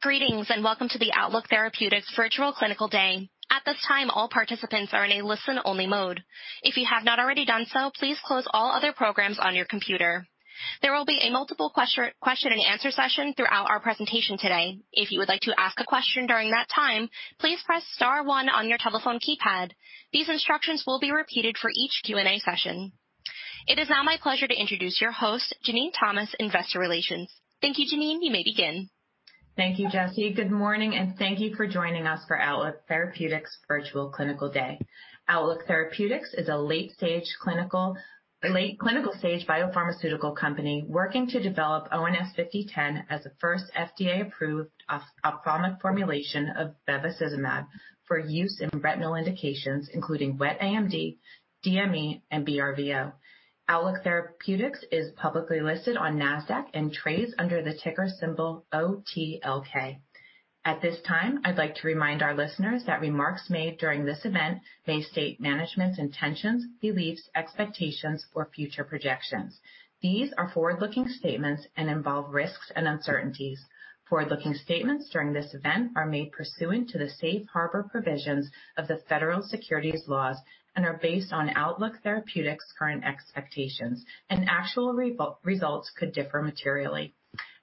Greetings and welcome to Outlook Therapeutics' Virtual clinical Day. At this time all participants are on listen-only mode. If you have not already done so please close all other programs on your computer. There will be a multiple question-and-answer session throughout our presentation today. If you will like to ask a question during that time please press star one on your telephone keypad. These instructions will be repeated for each Q&A session. It is now my pleasure to introduce your host, Jenene Thomas, Investor Relations. Thank you, Jenene. You may begin. Thank you, Jessie. Good morning, and thank you for joining us for Outlook Therapeutics' Virtual Clinical Day. Outlook Therapeutics is a late clinical-stage biopharmaceutical company working to develop ONS-5010 as the first FDA-approved ophthalmic formulation of bevacizumab for use in retinal indications, including wet AMD, DME, and BRVO. Outlook Therapeutics is publicly listed on NASDAQ and trades under the ticker symbol OTLK. At this time, I'd like to remind our listeners that remarks made during this event may state management's intentions, beliefs, expectations, or future projections. These are forward-looking statements and involve risks and uncertainties. Forward-looking statements during this event are made pursuant to the safe harbor provisions of the Federal Securities laws and are based on Outlook Therapeutics' current expectations, and actual results could differ materially.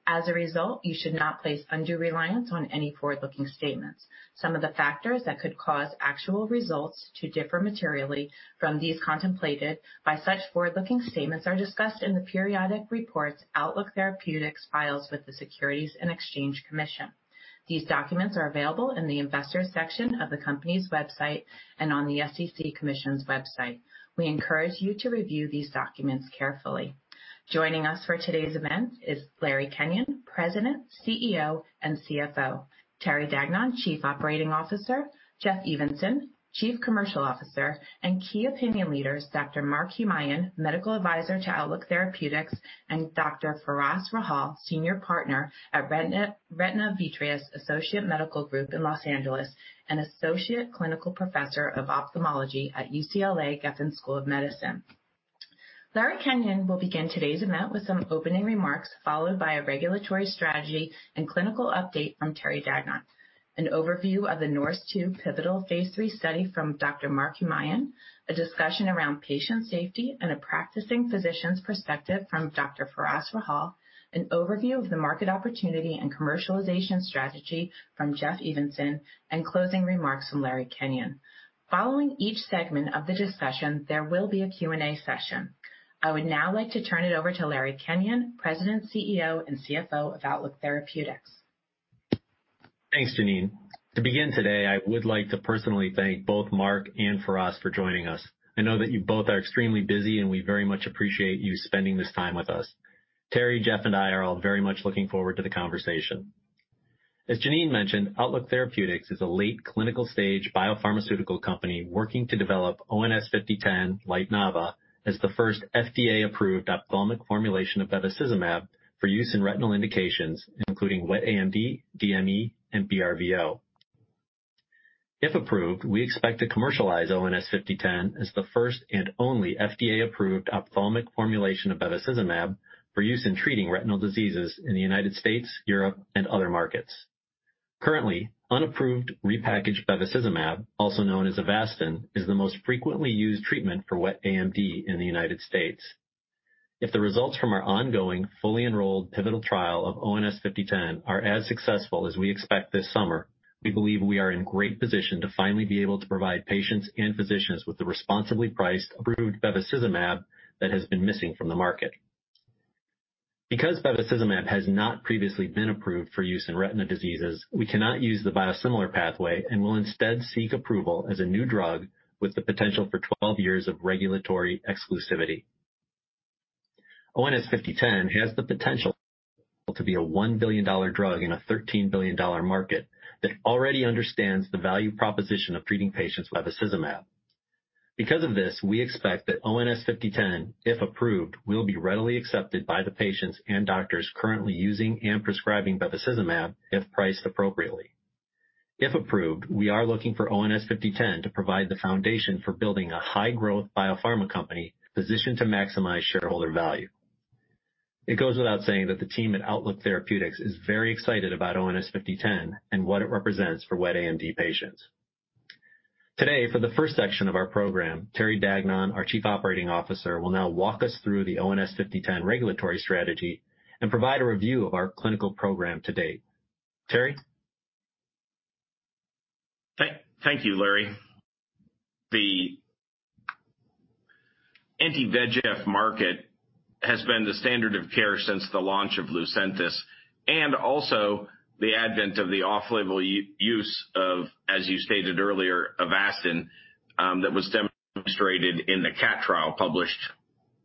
As a result, you should not place undue reliance on any forward-looking statements. Some of the factors that could cause actual results to differ materially from these contemplated by such forward-looking statements are discussed in the periodic reports Outlook Therapeutics files with the Securities and Exchange Commission. These documents are available in the Investors section of the company's website and on the SEC's website. We encourage you to review these documents carefully. Joining us for today's event is Larry Kenyon, President, CEO, and CFO. Terry Dagnon, Chief Operating Officer, Jeff Evanson, Chief Commercial Officer, and key opinion leaders, Dr. Mark Humayun, Medical Advisor to Outlook Therapeutics, and Dr. Firas Rahhal, Senior Partner at Retina-Vitreous Associates Medical Group in Los Angeles and Associate Clinical Professor of Ophthalmology at David Geffen School of Medicine at UCLA. Larry Kenyon will begin today's event with some opening remarks, followed by a regulatory strategy and clinical update from Terry Dagnon, an overview of the NORSE TWO pivotal phase III study from Dr. Mark Humayun, a discussion around patient safety and a practicing physician's perspective from Dr. Firas Rahhal, an overview of the market opportunity and commercialization strategy from Jeff Evanson, and closing remarks from Larry Kenyon. Following each segment of the discussion, there will be a Q&A session. I would now like to turn it over to Larry Kenyon, President, CEO, and CFO of Outlook Therapeutics. Thanks, Jenene. To begin today, I would like to personally thank both Mark and Firas for joining us. I know that you both are extremely busy, and we very much appreciate you spending this time with us. Terry, Jeff, and I are all very much looking forward to the conversation. As Jenene mentioned, Outlook Therapeutics is a late clinical-stage biopharmaceutical company working to develop ONS-5010, LYTENAVA, as the first FDA-approved ophthalmic formulation of bevacizumab for use in retinal indications, including wet AMD, DME, and BRVO. If approved, we expect to commercialize ONS-5010 as the first and only FDA-approved ophthalmic formulation of bevacizumab for use in treating retinal diseases in the U.S., Europe, and other markets. Currently, unapproved repackaged bevacizumab, also known as AVASTIN, is the most frequently used treatment for wet AMD in the U.S. If the results from our ongoing, fully enrolled pivotal trial of ONS-5010 are as successful as we expect this summer, we believe we are in great position to finally be able to provide patients and physicians with the responsibly priced approved bevacizumab that has been missing from the market. Because bevacizumab has not previously been approved for use in retinal diseases, we cannot use the biosimilar pathway and will instead seek approval as a new drug with the potential for 12 years of regulatory exclusivity. ONS-5010 has the potential to be a $1 billion drug in a $13 billion market that already understands the value proposition of treating patients with bevacizumab. Because of this, we expect that ONS-5010, if approved, will be readily accepted by the patients and doctors currently using and prescribing bevacizumab if priced appropriately. If approved, we are looking for ONS-5010 to provide the foundation for building a high-growth biopharma company positioned to maximize shareholder value. It goes without saying that the team at Outlook Therapeutics is very excited about ONS-5010 and what it represents for wet AMD patients. Today, for the first section of our program, Terry Dagnon, our Chief Operating Officer, will now walk us through the ONS-5010 regulatory strategy and provide a review of our clinical program to date. Terry? Thank you, Larry. The anti-VEGF market has been the standard of care since the launch of LUCENTIS and also the advent of the off-label use of, as you stated earlier, AVASTIN, that was demonstrated in the CATT trial published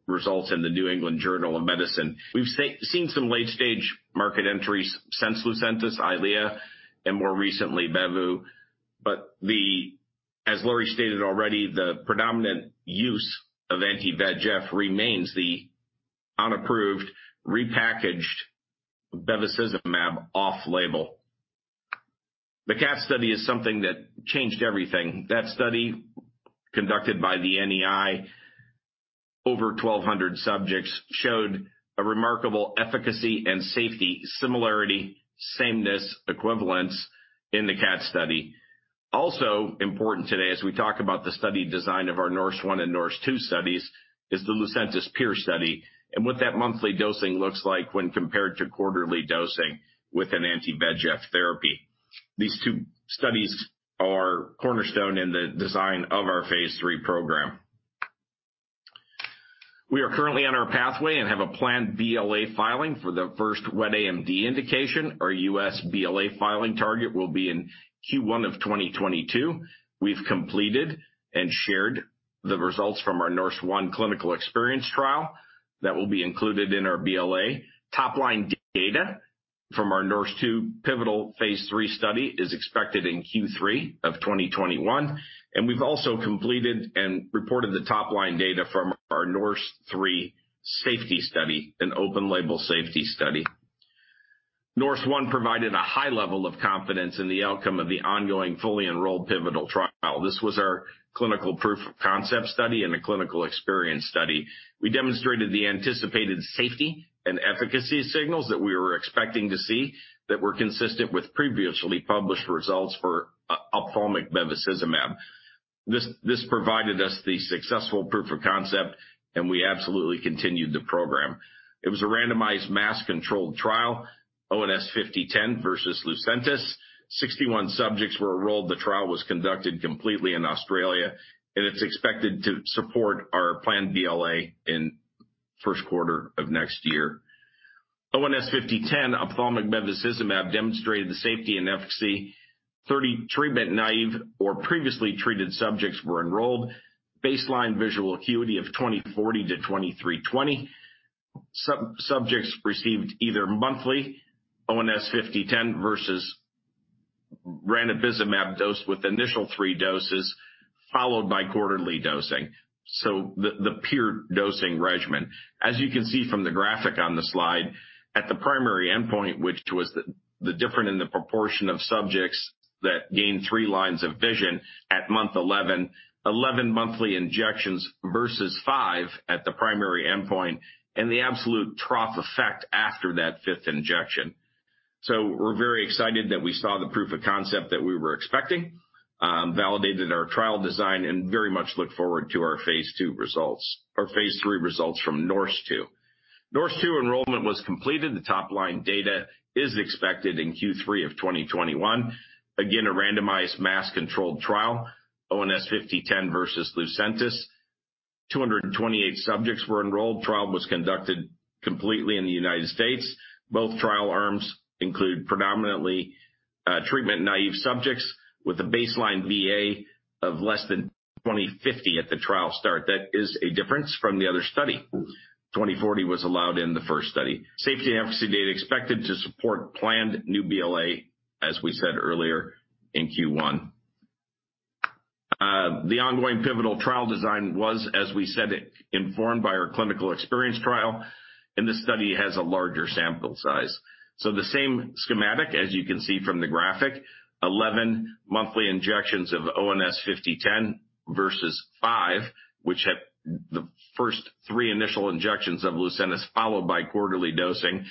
results in the New England Journal of Medicine. As Larry stated already, the predominant use of anti-VEGF remains the unapproved repackaged bevacizumab off-label. The CATT study is something that changed everything. That study, conducted by the NEI, over 1,200 subjects, showed a remarkable efficacy and safety similarity, sameness, equivalence in the CATT study. Also important today, as we talk about the study design of our NORSE ONE and NORSE TWO studies, is the LUCENTIS PIER study and what that monthly dosing looks like when compared to quarterly dosing with an anti-VEGF therapy. These two studies are cornerstone in the design of our phase III program. We are currently on our pathway and have a planned BLA filing for the first wet AMD indication. Our U.S. BLA filing target will be in Q1 of 2022. We've completed and shared the results from our NORSE ONE clinical experience trial that will be included in our BLA. Top-line data from our NORSE TWO pivotal phase III study is expected in Q3 of 2021, and we've also completed and reported the top-line data from our NORSE THREE safety study, an open label safety study. NORSE ONE provided a high level of confidence in the outcome of the ongoing, fully enrolled pivotal trial. This was our clinical proof of concept study and a clinical experience study. We demonstrated the anticipated safety and efficacy signals that we were expecting to see that were consistent with previously published results for ophthalmic bevacizumab. This provided us the successful proof of concept, and we absolutely continued the program. It was a randomized, masked-controlled trial, ONS-5010 versus LUCENTIS. 61 subjects were enrolled. The trial was conducted completely in Australia, and it's expected to support our planned BLA in first quarter of next year. ONS-5010 ophthalmic bevacizumab demonstrated the safety and efficacy. 30 treatment-naive or previously treated subjects were enrolled. Baseline visual acuity of 20/40 to 23/20. Subjects received either monthly ONS-5010 versus ranibizumab dose with initial three doses, followed by quarterly dosing. The PIER dosing regimen. As you can see from the graphic on the slide, at the primary endpoint, which was the different in the proportion of subjects that gained three lines of vision at month 11 monthly injections versus five at the primary endpoint, and the absolute trough effect after that fifth injection. We're very excited that we saw the proof of concept that we were expecting, validated our trial design, and very much look forward to our Phase III results from NORSE TWO. NORSE TWO enrollment was completed. The top-line data is expected in Q3 of 2021. Again, a randomized, mass-controlled trial, ONS-5010 versus LUCENTIS. 228 subjects were enrolled. Trial was conducted completely in the U.S. Both trial arms include predominantly treatment-naive subjects with a baseline VA of less than 20/50 at the trial start. That is a difference from the other study. 20/40 was allowed in the first study. Safety efficacy data expected to support planned new BLA, as we said earlier, in Q1. The ongoing pivotal trial design was, as we said, informed by our clinical experience trial, and the study has a larger sample size. The same schematic, as you can see from the graphic, 11 monthly injections of ONS-5010 versus five, which the first three initial injections of LUCENTIS followed by quarterly dosing,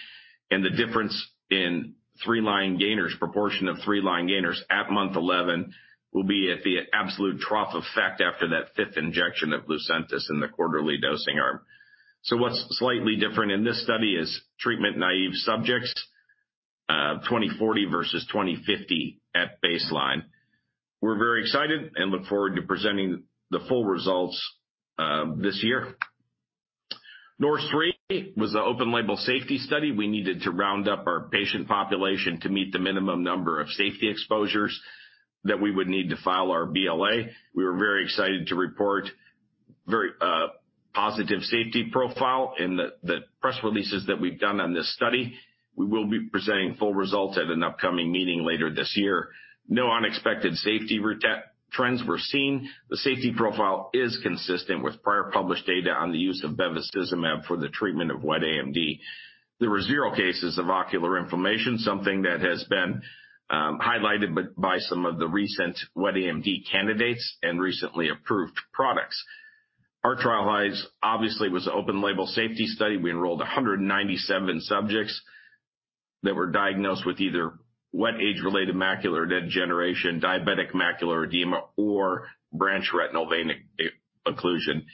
and the difference in three line gainers, proportion of three line gainers at month 11 will be at the absolute trough effect after that fifth injection of LUCENTIS in the quarterly dosing arm. What's slightly different in this study is treatment-naive subjects, 20/40 versus 20/50 at baseline. We're very excited and look forward to presenting the full results this year. NORSE THREE was an open-label safety study. We needed to round up our patient population to meet the minimum number of safety exposures that we would need to file our BLA. We are very excited to report very positive safety profile in the press releases that we've done on this study. We will be presenting full results at an upcoming meeting later this year. No unexpected safety trends were seen. The safety profile is consistent with prior published data on the use of bevacizumab for the treatment of wet AMD. There were zero cases of ocular inflammation, something that has been highlighted by some of the recent wet AMD candidates and recently approved products. Our trial obviously was open-label safety study. We enrolled 197 subjects that were diagnosed with either wet age-related macular degeneration, diabetic macular edema, or branch retinal vein occlusion.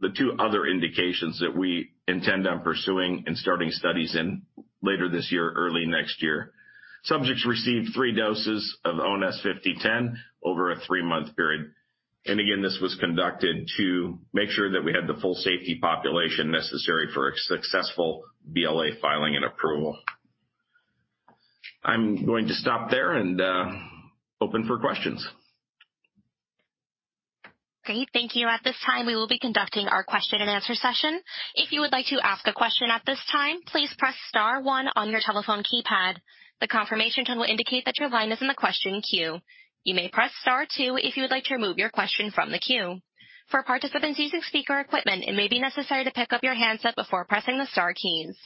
The two other indications that we intend on pursuing and starting studies in later this year, early next year. Subjects received three doses of ONS-5010 over a three-month period. Again, this was conducted to make sure that we had the full safety population necessary for a successful BLA filing and approval. I'm going to stop there and open for questions. Great. Thank you. At this time, we will be conducting our question and answer session. If you would like to ask a question at this time, please press star one on your telephone keypad. The confirmation tone will indicate that your line is in the question queue. You may press star two if you'd like to remove your question from the queue. For participants using speaker equipment, it may be necessary to pick up your handset before pressing the star keys.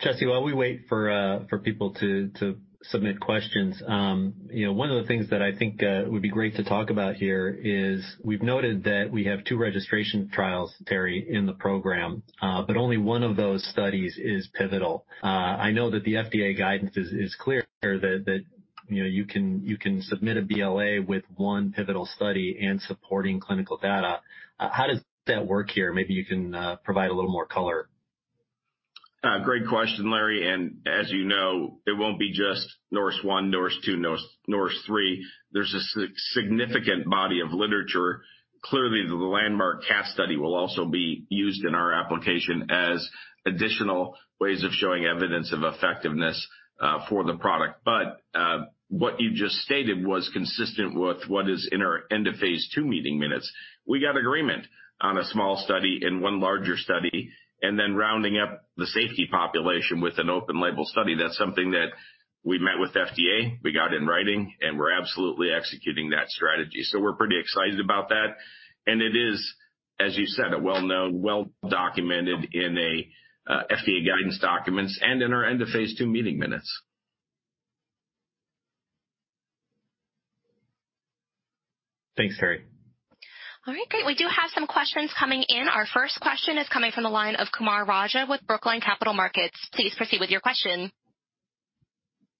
Jesse, while we wait for people to submit questions, one of the things that I think would be great to talk about here is we've noted that we have two registration trials, Terry, in the program, but only one of those studies is pivotal. I know that the FDA guidance is clear that you can submit a BLA with one pivotal study and supporting clinical data. How does that work here? Maybe you can provide a little more color. Great question, Larry. As you know, it won't be just NORSE ONE, NORSE TWO, NORSE THREE. There's a significant body of literature. Clearly, the landmark CATT study will also be used in our application as additional ways of showing evidence of effectiveness for the product. What you just stated was consistent with what is in our end-of-phase II meeting minutes. We got agreement on a small study and one larger study, and then rounding up the safety population with an open label study. That's something that we met with FDA, we got in writing, and we're absolutely executing that strategy. We're pretty excited about that. It is, as you said, a well-known, well-documented in FDA guidance documents and in our end-of-phase II meeting minutes. Thanks, Terry. All right. We do have some questions coming in. Our first question is coming from the line of Kumaraguru Raja with Brookline Capital Markets. Please proceed with your question.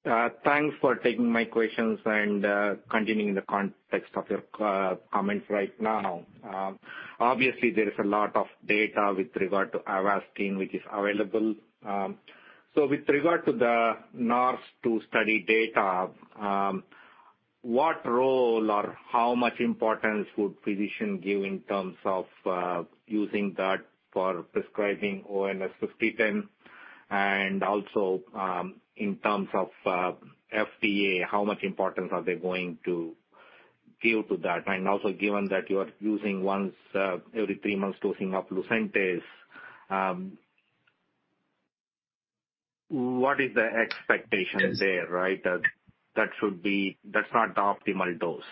Thanks for taking my questions and continuing the context of your comments right now. Obviously, there is a lot of data with regard to AVASTIN, which is available. With regard to the NORSE TWO study data, what role or how much importance would physicians give in terms of using that for prescribing ONS-5010 and also in terms of FDA, how much importance are they going to give to that? Given that you are using once every three months dosing of LUCENTIS, what is the expectation there, right? That's not the optimal dose.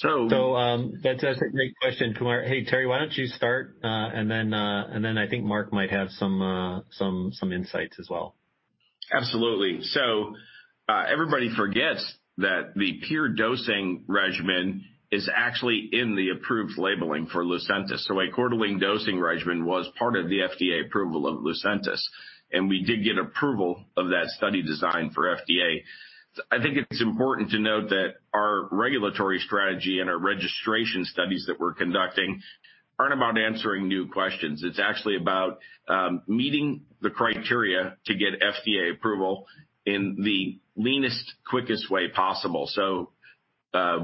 That's a great question, Kumar. Hey, Terry, why don't you start, and then I think Mark might have some insights as well. Absolutely. Everybody forgets that the PIER dosing regimen is actually in the approved labeling for LUCENTIS. A quarterly dosing regimen was part of the FDA approval of LUCENTIS, and we did get approval of that study design for FDA. I think it's important to note that our regulatory strategy and our registration studies that we're conducting aren't about answering new questions. It's actually about meeting the criteria to get FDA approval in the leanest, quickest way possible.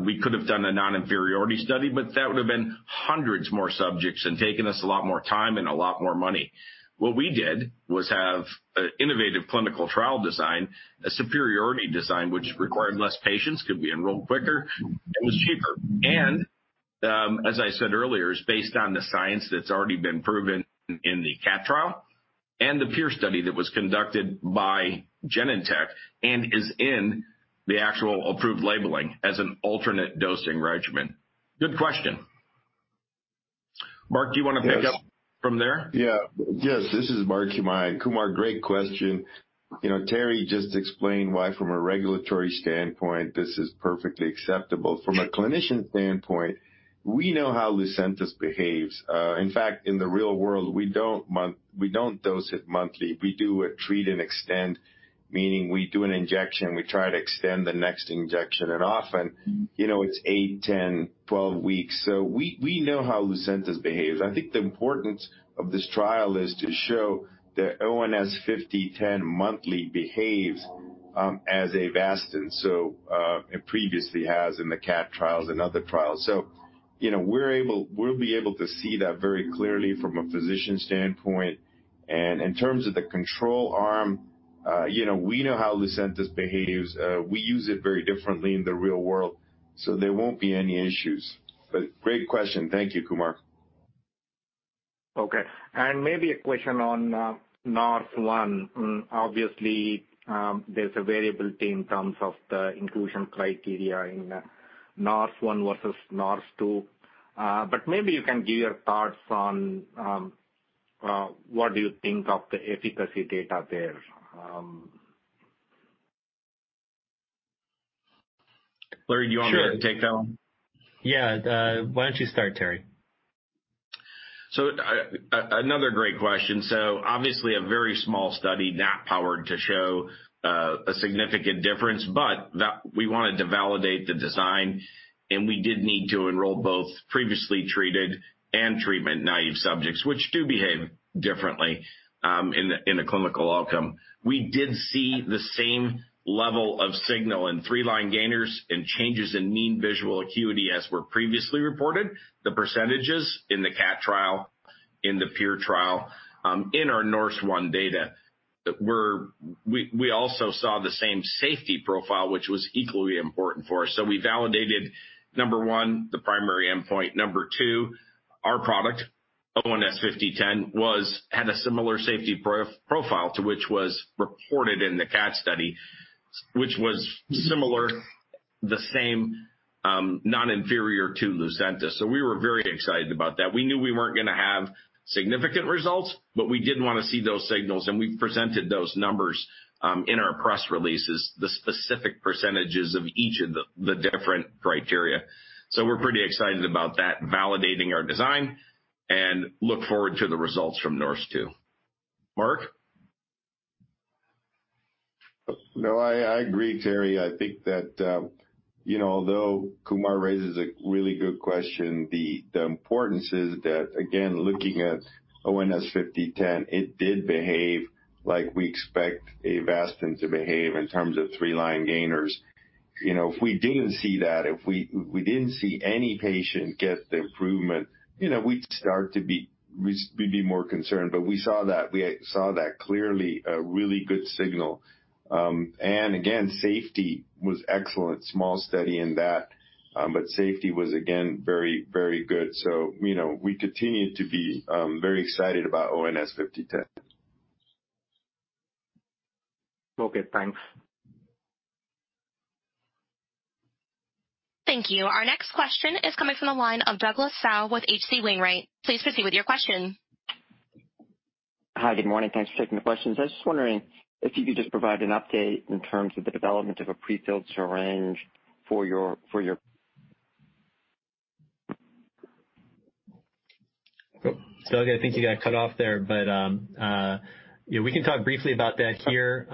We could have done a non-inferiority study, but that would have been hundreds more subjects and taken us a lot more time and a lot more money. What we did was have an innovative clinical trial design, a superiority design, which required less patients, could be enrolled quicker, and was cheaper. As I said earlier, it's based on the science that's already been proven in the CATT trial and the PIER study that was conducted by Genentech and is in the actual approved labeling as an alternate dosing regimen. Good question. Mark, do you want to pick up from there? Yeah. This is Mark Humayun. Kumar, great question. Terry just explained why from a regulatory standpoint, this is perfectly acceptable. From a clinician standpoint, we know how LUCENTIS behaves. In fact, in the real world, we don't dose it monthly. We do a treat and extend, meaning we do an injection, we try to extend the next injection, and often, it's eight, 10, 12 weeks. We know how LUCENTIS behaves. I think the importance of this trial is to show that ONS-5010 monthly behaves as AVASTIN. It previously has in the CATT trials and other trials. We'll be able to see that very clearly from a physician standpoint. In terms of the control arm, we know how LUCENTIS behaves. We use it very differently in the real world. There won't be any issues. Great question. Thank you, Kumar. Okay. Maybe a question on NORSE ONE. Obviously, there's a variability in terms of the inclusion criteria in NORSE ONE versus NORSE TWO. Maybe you can give your thoughts on what do you think of the efficacy data there. Larry, you want me to take that one? Yeah. Why don't you start, Terry? Another great question. Obviously a very small study, not powered to show a significant difference, but we wanted to validate the design, and we did need to enroll both previously treated and treatment-naive subjects, which do behave differently in a clinical outcome. We did see the same level of signal in three line gainers and changes in mean visual acuity as were previously reported, the percentages in the CATT trial, in the PIER trial, in our NORSE ONE data. We also saw the same safety profile, which was equally important for us. We validated, number one, the primary endpoint. Number two, our product ONS-5010 had a similar safety profile to which was reported in the CATT study, which was similar, the same, non-inferior to LUCENTIS. We were very excited about that. We knew we weren't going to have significant results, but we did want to see those signals, and we presented those numbers in our press releases, the specific percentages of each of the different criteria. We're pretty excited about that, validating our design, and look forward to the results from NORSE TWO. Mark? No, I agree, Terry. I think that although Kumar raises a really good question, the importance is that, again, looking at ONS-5010, it did behave like we expect AVASTIN to behave in terms of three-line gainers. If we didn't see that, if we didn't see any patient get the improvement, we'd be more concerned. We saw that clearly, a really good signal. Again, safety was excellent. Small study in that. Safety was, again, very, very good. We continue to be very excited about ONS-5010. Okay, thanks. Thank you. Our next question is coming from the line of Douglas Tsao with H.C. Wainwright. Please proceed with your question. Hi, good morning. Thanks for taking the questions. I was just wondering if you could just provide an update in terms of the development of a prefilled syringe for your. I think you got cut off there, we can talk briefly about that here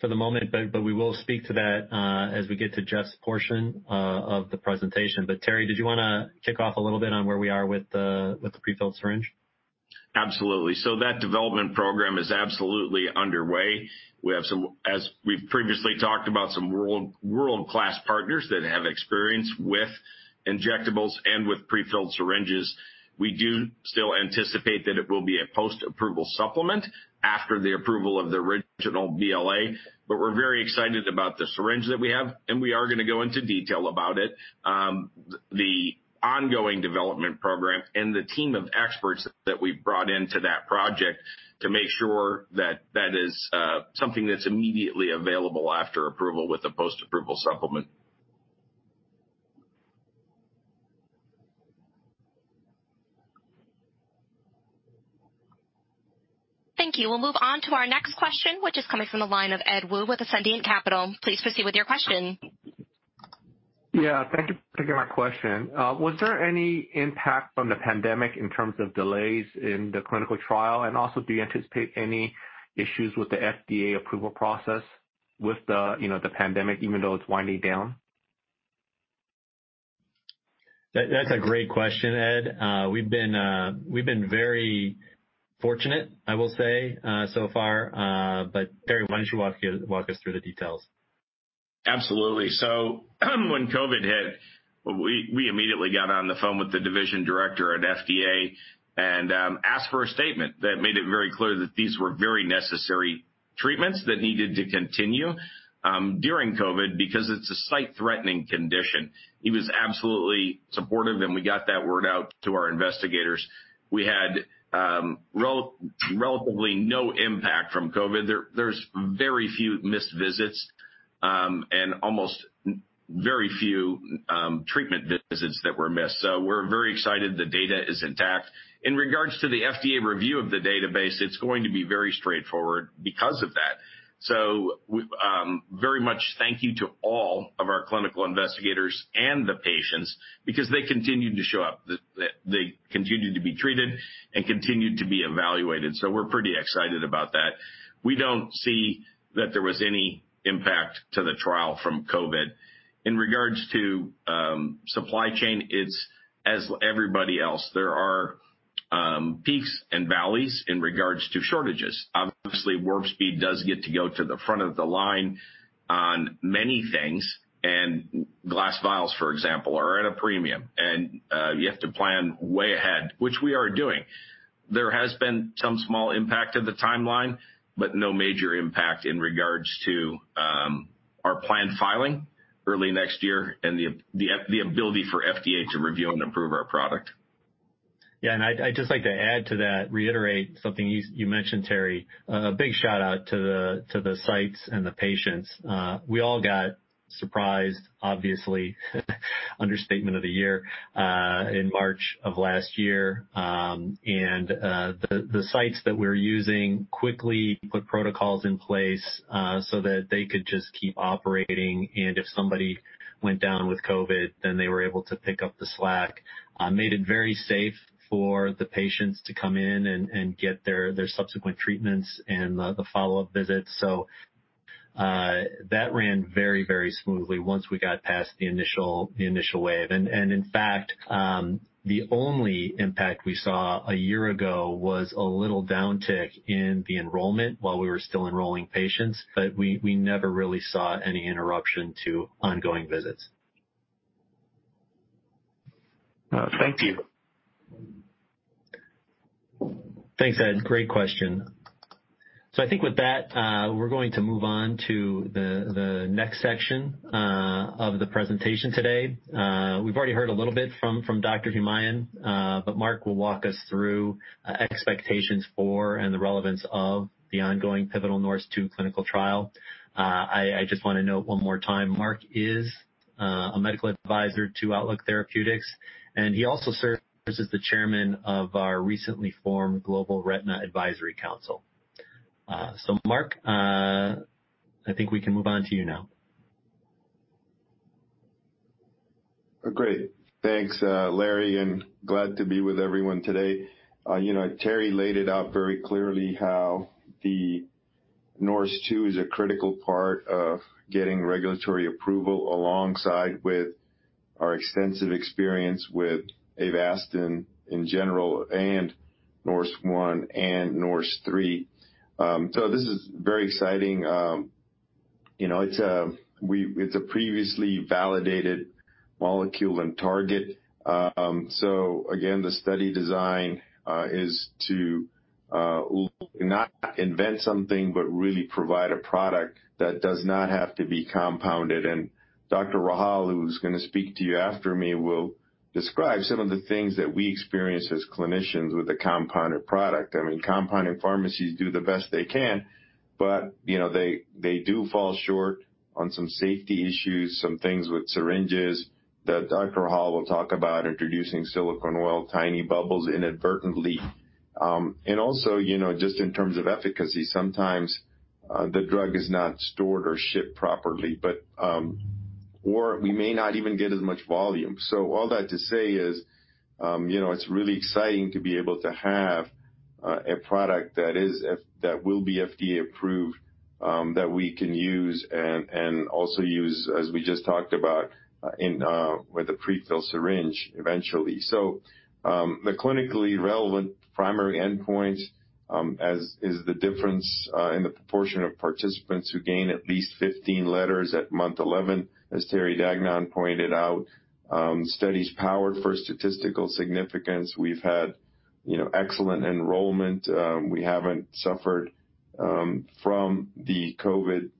for the moment, we will speak to that as we get to Jeff's portion of the presentation. Terry, did you want to kick off a little bit on where we are with the prefilled syringe? Absolutely. That development program is absolutely underway. We have some, as we've previously talked about, some world-class partners that have experience with injectables and with prefilled syringes. We do still anticipate that it will be a post-approval supplement after the approval of the original BLA. We're very excited about the syringe that we have, and we are going to go into detail about it, the ongoing development program, and the team of experts that we've brought into that project to make sure that that is something that's immediately available after approval with the post-approval supplement. Thank you. We'll move on to our next question, which is coming from the line of Ed Woo with Ascendiant Capital. Please proceed with your question. Yeah, thank you for taking my question. Was there any impact from the pandemic in terms of delays in the clinical trial? Do you anticipate any issues with the FDA approval process with the pandemic, even though it's winding down? That's a great question, Ed. We've been very fortunate, I will say, so far. Terry, why don't you walk us through the details? Absolutely. When COVID hit, we immediately got on the phone with the division director at FDA and asked for a statement that made it very clear that these were very necessary treatments that needed to continue during COVID because it's a sight-threatening condition. He was absolutely supportive, and we got that word out to our investigators. We had relatively no impact from COVID. There's very few missed visits and very few treatment visits that were missed. We're very excited the data is intact. In regards to the FDA review of the database, it's going to be very straightforward because of that. Very much thank you to all of our clinical investigators and the patients, because they continued to show up, they continued to be treated, and continued to be evaluated. We're pretty excited about that. We don't see that there was any impact to the trial from COVID. In regards to supply chain, it's as everybody else. There are peaks and valleys in regards to shortages. Obviously, Warp Speed does get to go to the front of the line on many things, and glass vials, for example, are at a premium. You have to plan way ahead, which we are doing. There has been some small impact on the timeline, but no major impact in regards to our planned filing early next year and the ability for FDA to review and approve our product. I'd just like to add to that, reiterate something you mentioned, Terry. A big shout-out to the sites and the patients. We all got surprised, obviously, understatement of the year, in March of last year. The sites that we were using quickly put protocols in place so that they could just keep operating, and if somebody went down with COVID, then they were able to pick up the slack. Made it very safe for the patients to come in and get their subsequent treatments and the follow-up visits. That ran very smoothly once we got past the initial wave. In fact, the only impact we saw a year ago was a little downtick in the enrollment while we were still enrolling patients. We never really saw any interruption to ongoing visits. Thank you. Thanks, Ed. Great question. I think with that, we're going to move on to the next section of the presentation today. We've already heard a little bit from Dr. Humayun, Mark will walk us through expectations for and the relevance of the ongoing pivotal NORSE TWO clinical trial. I just want to note one more time, Mark is a medical advisor to Outlook Therapeutics, and he also serves as the chairman of our recently formed Global Retina Advisory Council. Mark, I think we can move on to you now. Great. Thanks, Larry. Glad to be with everyone today. Terry laid out very clearly how NORSE TWO is a critical part of getting regulatory approval alongside with our extensive experience with AVASTIN in general and NORSE ONE and NORSE THREE. This is very exciting. It's a previously validated molecule and target. Again, the study design is to not invent something but really provide a product that does not have to be compounded. Dr. Rahhal, who's going to speak to you after me, will describe some of the things that we experience as clinicians with a compounded product. Compounding pharmacies do the best they can, but they do fall short on some safety issues, some things with syringes that Dr. Rahhal will talk about, introducing silicone oil, tiny bubbles inadvertently. Also, just in terms of efficacy, sometimes the drug is not stored or shipped properly, or we may not even get as much volume. All that to say is, it's really exciting to be able to have a product that will be FDA-approved, that we can use and also use, as we just talked about, with a pre-filled syringe eventually. The clinically relevant primary endpoint is the difference in the proportion of participants who gain at least 15 letters at month 11. As Terry Dagnon pointed out, study is powered for statistical significance. We've had excellent enrollment. We haven't suffered from the COVID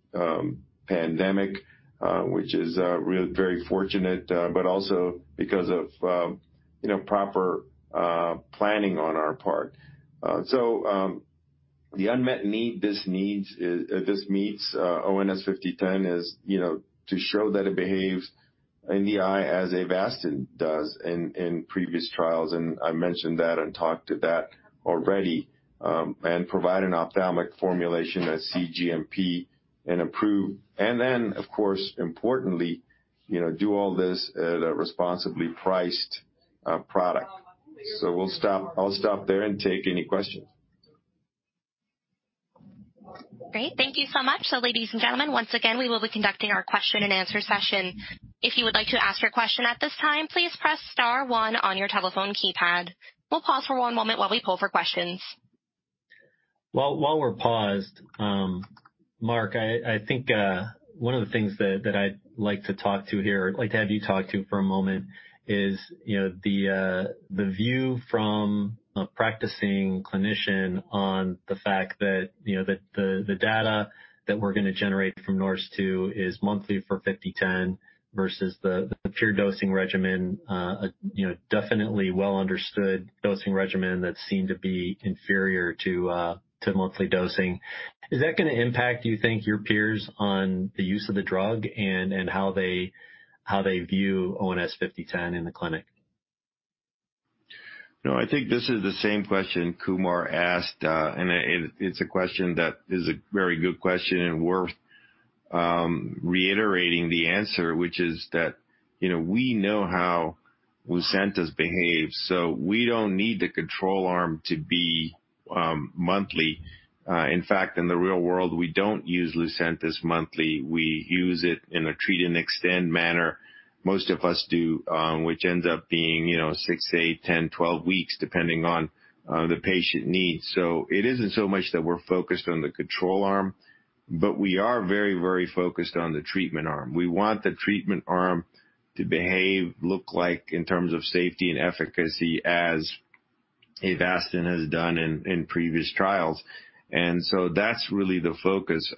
pandemic, which is very fortunate, but also because of proper planning on our part. The unmet need this meets ONS-5010 is to show that it behaves in the eye as AVASTIN does in previous trials, and I mentioned that and talked to that already, and provide an ophthalmic formulation that's cGMP and approved. Then, of course, importantly, do all this at a responsibly priced product. I'll stop there and take any questions. Great. Thank you so much. Ladies and gentlemen, once again, we will be conducting our question-and-answer session. If you would like to ask a question at this time, please press star one on your telephone keypad. We will pause for one moment while we poll for questions. While we're paused, Mark, I think one of the things that I'd like to have you talk to for a moment is the view from a practicing clinician on the fact that the data that we're going to generate from NORSE TWO is monthly for 5010 versus the PIER dosing regimen, definitely well-understood dosing regimen that seemed to be inferior to monthly dosing. Is that going to impact, do you think, your peers on the use of the drug and how they view ONS-5010 in the clinic? I think this is the same question Kumar asked, and it's a question that is a very good question and worth reiterating the answer, which is that we know how LUCENTIS behaves, so we don't need the control arm to be monthly. In fact, in the real world, we don't use LUCENTIS monthly. We use it in a treat and extend manner. Most of us do, which ends up being 6-12 weeks, depending on the patient needs. It isn't so much that we're focused on the control arm, but we are very focused on the treatment arm. We want the treatment arm to behave, look like in terms of safety and efficacy as AVASTIN has done in previous trials. That's really the focus.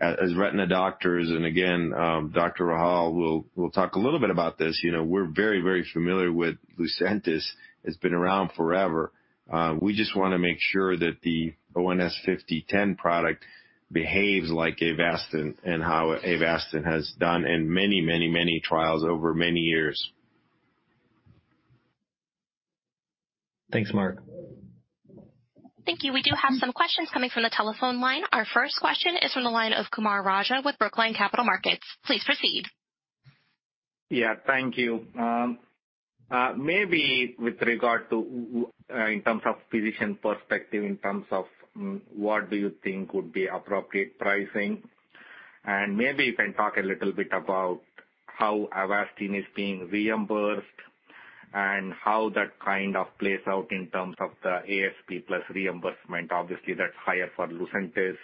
As retina doctors, and again, Dr. Rahhal will talk a little bit about this, we're very familiar with LUCENTIS. It's been around forever. We just want to make sure that the ONS-5010 product behaves like AVASTIN and how AVASTIN has done in many trials over many years. Thanks, Mark. Thank you. We do have some questions coming through the telephone line. Our first question is from the line of Kumar Raja with Brookline Capital Markets. Please proceed. Yeah. Thank you. Maybe with regard to in terms of physician perspective, in terms of what do you think would be appropriate pricing? Maybe you can talk a little bit about how AVASTIN is being reimbursed and how that plays out in terms of the ASP plus reimbursement. Obviously, that's higher for LUCENTIS.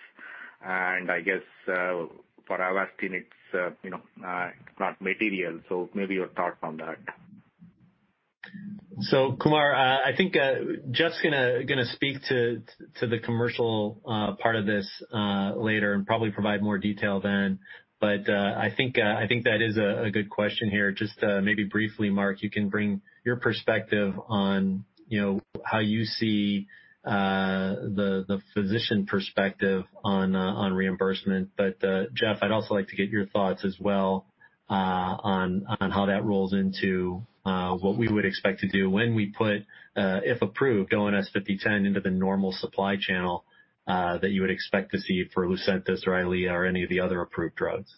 I guess for AVASTIN, it's not material. Maybe your thought on that. Kumar, I think Jeff's going to speak to the commercial part of this later and probably provide more detail then. I think that is a good question here. Just maybe briefly, Mark, you can bring your perspective on how you see the physician perspective on reimbursement. Jeff, I'd also like to get your thoughts as well on how that rolls into what we would expect to do when we put, if approved, ONS-5010 into the normal supply channel that you would expect to see for LUCENTIS or EYLEA or any of the other approved drugs.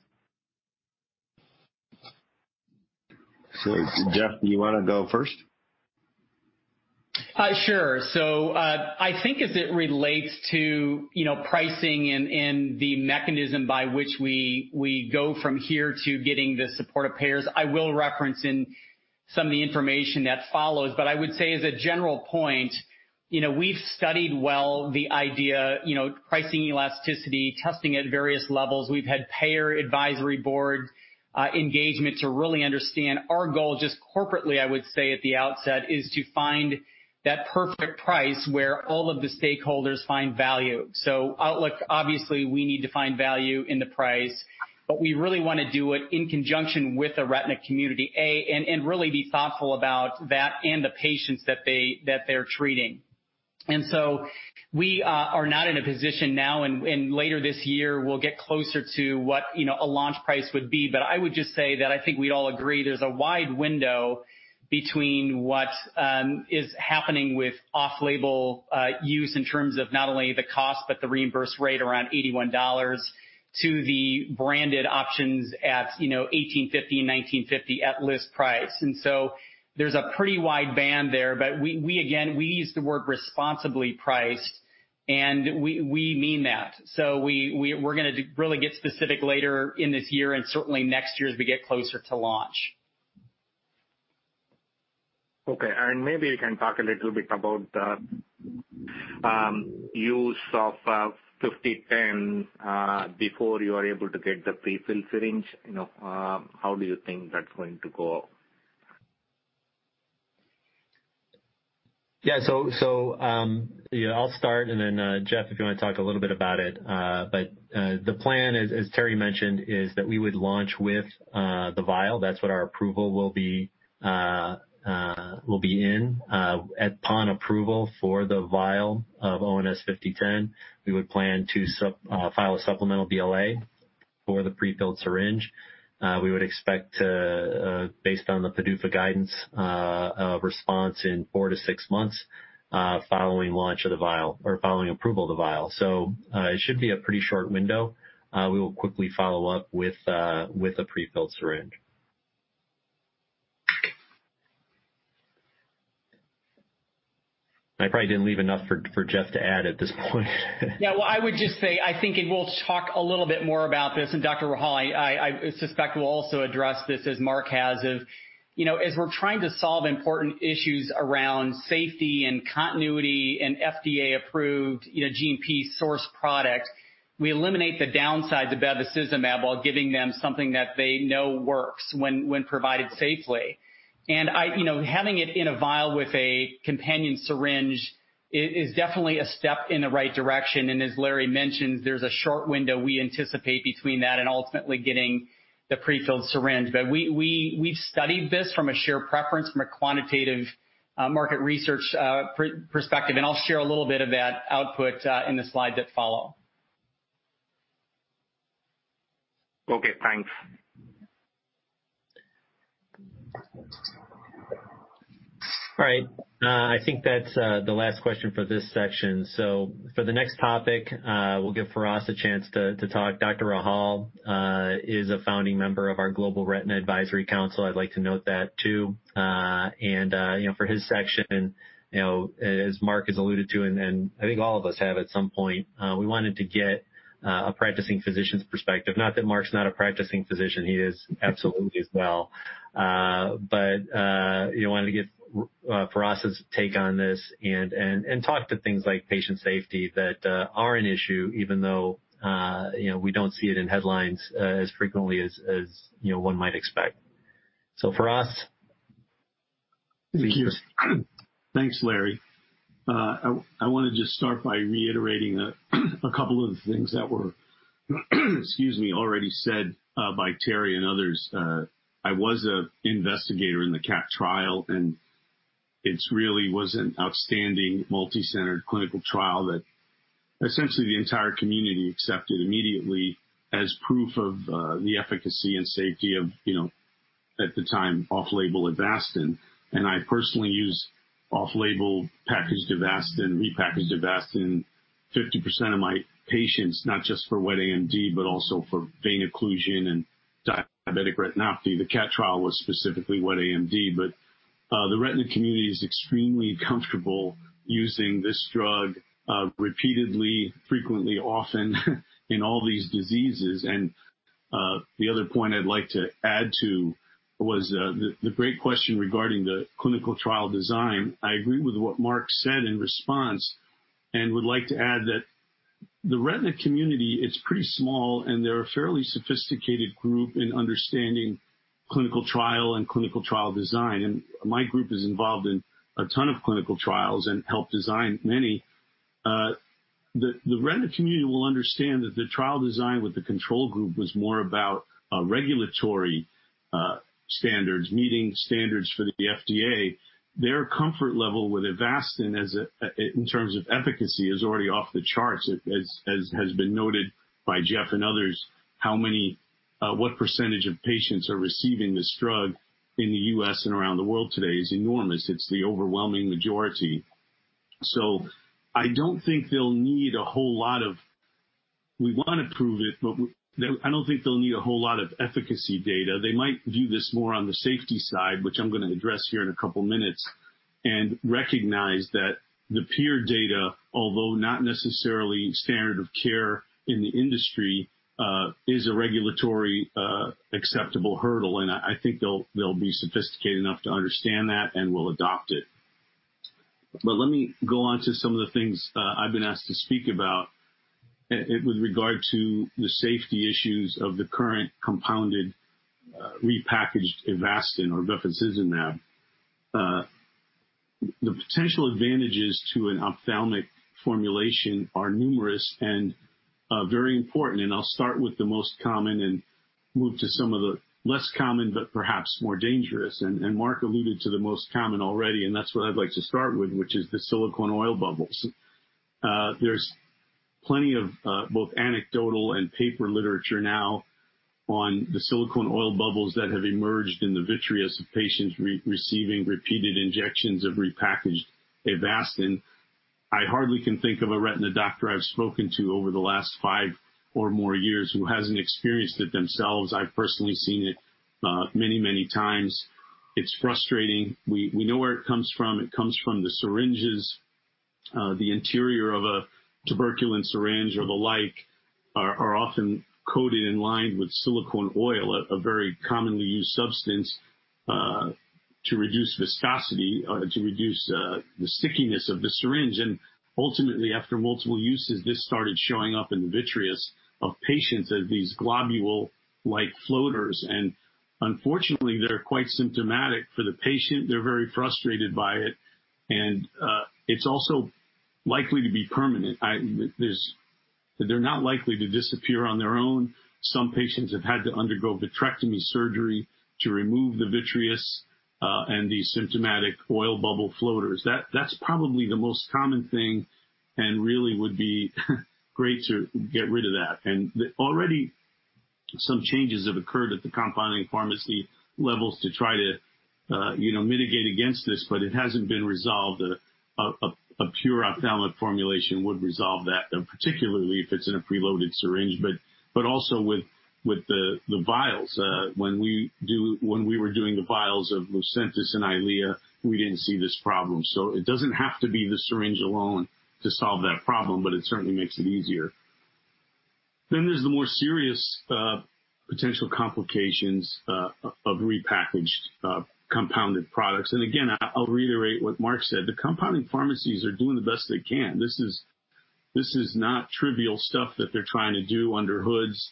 Jeff, you want to go first? Sure. I think as it relates to pricing and the mechanism by which we go from here to getting the support of payers, I will reference in some of the information that follows. I would say as a general point, we've studied well the idea, pricing elasticity, testing at various levels. We've had payer advisory board engagement to really understand. Our goal, just corporately, I would say at the outset, is to find that perfect price where all of the stakeholders find value. Outlook, obviously, we need to find value in the price, but we really want to do it in conjunction with the retina community and really be thoughtful about that and the patients that they're treating. We are not in a position now, and later this year, we'll get closer to what a launch price would be. I would just say that I think we all agree there's a wide window between what is happening with off-label use in terms of not only the cost, but the reimbursed rate around $81 to the branded options at $1,850, $1,950 at list price. There's a pretty wide band there. Again, we use the word responsibly priced, and we mean that. We're going to really get specific later in this year and certainly next year as we get closer to launch. Okay. Maybe you can talk a little bit about the use of 5010 before you are able to get the prefilled syringe. How do you think that's going to go? I'll start and then Jeff, you want to talk a little bit about it. The plan is, as Terry mentioned, is that we would launch with the vial. That's what our approval will be in. Upon approval for the vial of ONS-5010, we would plan to file a supplemental BLA for the prefilled syringe. We would expect to, based on the PDUFA guidance, a response in four to six months following launch of the vial or following approval of the vial. It should be a pretty short window. I probably didn't leave enough for Jeff to add at this point. I would just say, I think, and we'll talk a little bit more about this, and Dr. Rahhal, I suspect will also address this as Mark has, as we're trying to solve important issues around safety and continuity and FDA-approved, GMP-sourced products, we eliminate the downside to bevacizumab while giving them something that they know works when provided safely. Having it in a vial with a companion syringe is definitely a step in the right direction, and as Larry mentioned, there's a short window we anticipate between that and ultimately getting the prefilled syringe. We studied this from a sheer preference, from a quantitative market research perspective, and I'll share a little bit of that output in the slide that follow. Okay, thanks. All right. I think that's the last question for this section. For the next topic, we'll give Firas a chance to talk. Dr. Rahhal is a founding member of our Global Retina Advisory Council. I'd like to note that, too. For his section, as Mark has alluded to, and I think all of us have at some point, we wanted to get a practicing physician's perspective. Not that Mark's not a practicing physician, he is absolutely as well. We wanted to get Firas' take on this and talk to things like patient safety that are an issue, even though we don't see it in headlines as frequently as one might expect. Firas. Thank you. Thanks, Larry. I want to just start by reiterating a couple of things that were excuse me, already said by Terry and others. I was an investigator in the CATT trial. It really was an outstanding multi-centered clinical trial that essentially the entire community accepted immediately as proof of the efficacy and safety of, at the time, off-label AVASTIN. I personally use off-label packaged AVASTIN, repackaged AVASTIN, 50% of my patients, not just for wet AMD, but also for vein occlusion and diabetic retinopathy. The CATT trial was specifically wet AMD, but the retina community is extremely comfortable using this drug repeatedly, frequently, often in all these diseases. The other point I'd like to add too was the great question regarding the clinical trial design. I agree with what Mark said in response, would like to add that the retina community, it's pretty small, and they're a fairly sophisticated group in understanding clinical trial and clinical trial design. My group is involved in a ton of clinical trials and helped design many. The retina community will understand that the trial design with the control group was more about regulatory standards, meeting standards for the FDA. Their comfort level with AVASTIN in terms of efficacy is already off the charts, as has been noted by Jeff and others. What percentage of patients are receiving this drug in the U.S. and around the world today is enormous. It's the overwhelming majority. I don't think they'll need a whole lot of, we want to prove it, but I don't think they'll need a whole lot of efficacy data. They might do this more on the safety side, which I'm going to address here in a couple of minutes, and recognize that the PIER data, although not necessarily standard of care in the industry, is a regulatory acceptable hurdle, and I think they'll be sophisticated enough to understand that and will adopt it. Let me go on to some of the things I've been asked to speak about with regard to the safety issues of the current compounded repackaged AVASTIN or bevacizumab. The potential advantages to an ophthalmic formulation are numerous and very important, and I'll start with the most common and move to some of the less common but perhaps more dangerous. Mark alluded to the most common already, and that's what I'd like to start with, which is the silicone oil bubbles. There's plenty of both anecdotal and paper literature now on the silicone oil bubbles that have emerged in the vitreous of patients receiving repeated injections of repackaged AVASTIN. I hardly can think of a retina doctor I've spoken to over the last five or more years who hasn't experienced it themselves. I've personally seen it many times. It's frustrating. We know where it comes from. It comes from the syringes. The interior of a tuberculin syringe or the like are often coated and lined with silicone oil, a very commonly used substance, to reduce viscosity, to reduce the stickiness of the syringe. Ultimately, after multiple uses, this started showing up in the vitreous of patients as these globule-like floaters. Unfortunately, they're quite symptomatic for the patient. They're very frustrated by it, and it's also likely to be permanent. They're not likely to disappear on their own. Some patients have had to undergo vitrectomy surgery to remove the vitreous and the symptomatic oil bubble floaters. That's probably the most common thing and really would be great to get rid of that. Already some changes have occurred at the compounding pharmacy levels to try to mitigate against this, but it hasn't been resolved. A pure ophthalmic formulation would resolve that, particularly if it's in a preloaded syringe, but also with the vials. When we were doing the vials of LUCENTIS and EYLEA, we didn't see this problem. It doesn't have to be the syringe alone to solve that problem, but it certainly makes it easier. There's the more serious potential complications of repackaged compounded products. Again, I'll reiterate what Mark said. The compounding pharmacies are doing the best they can. This is not trivial stuff that they're trying to do under hoods,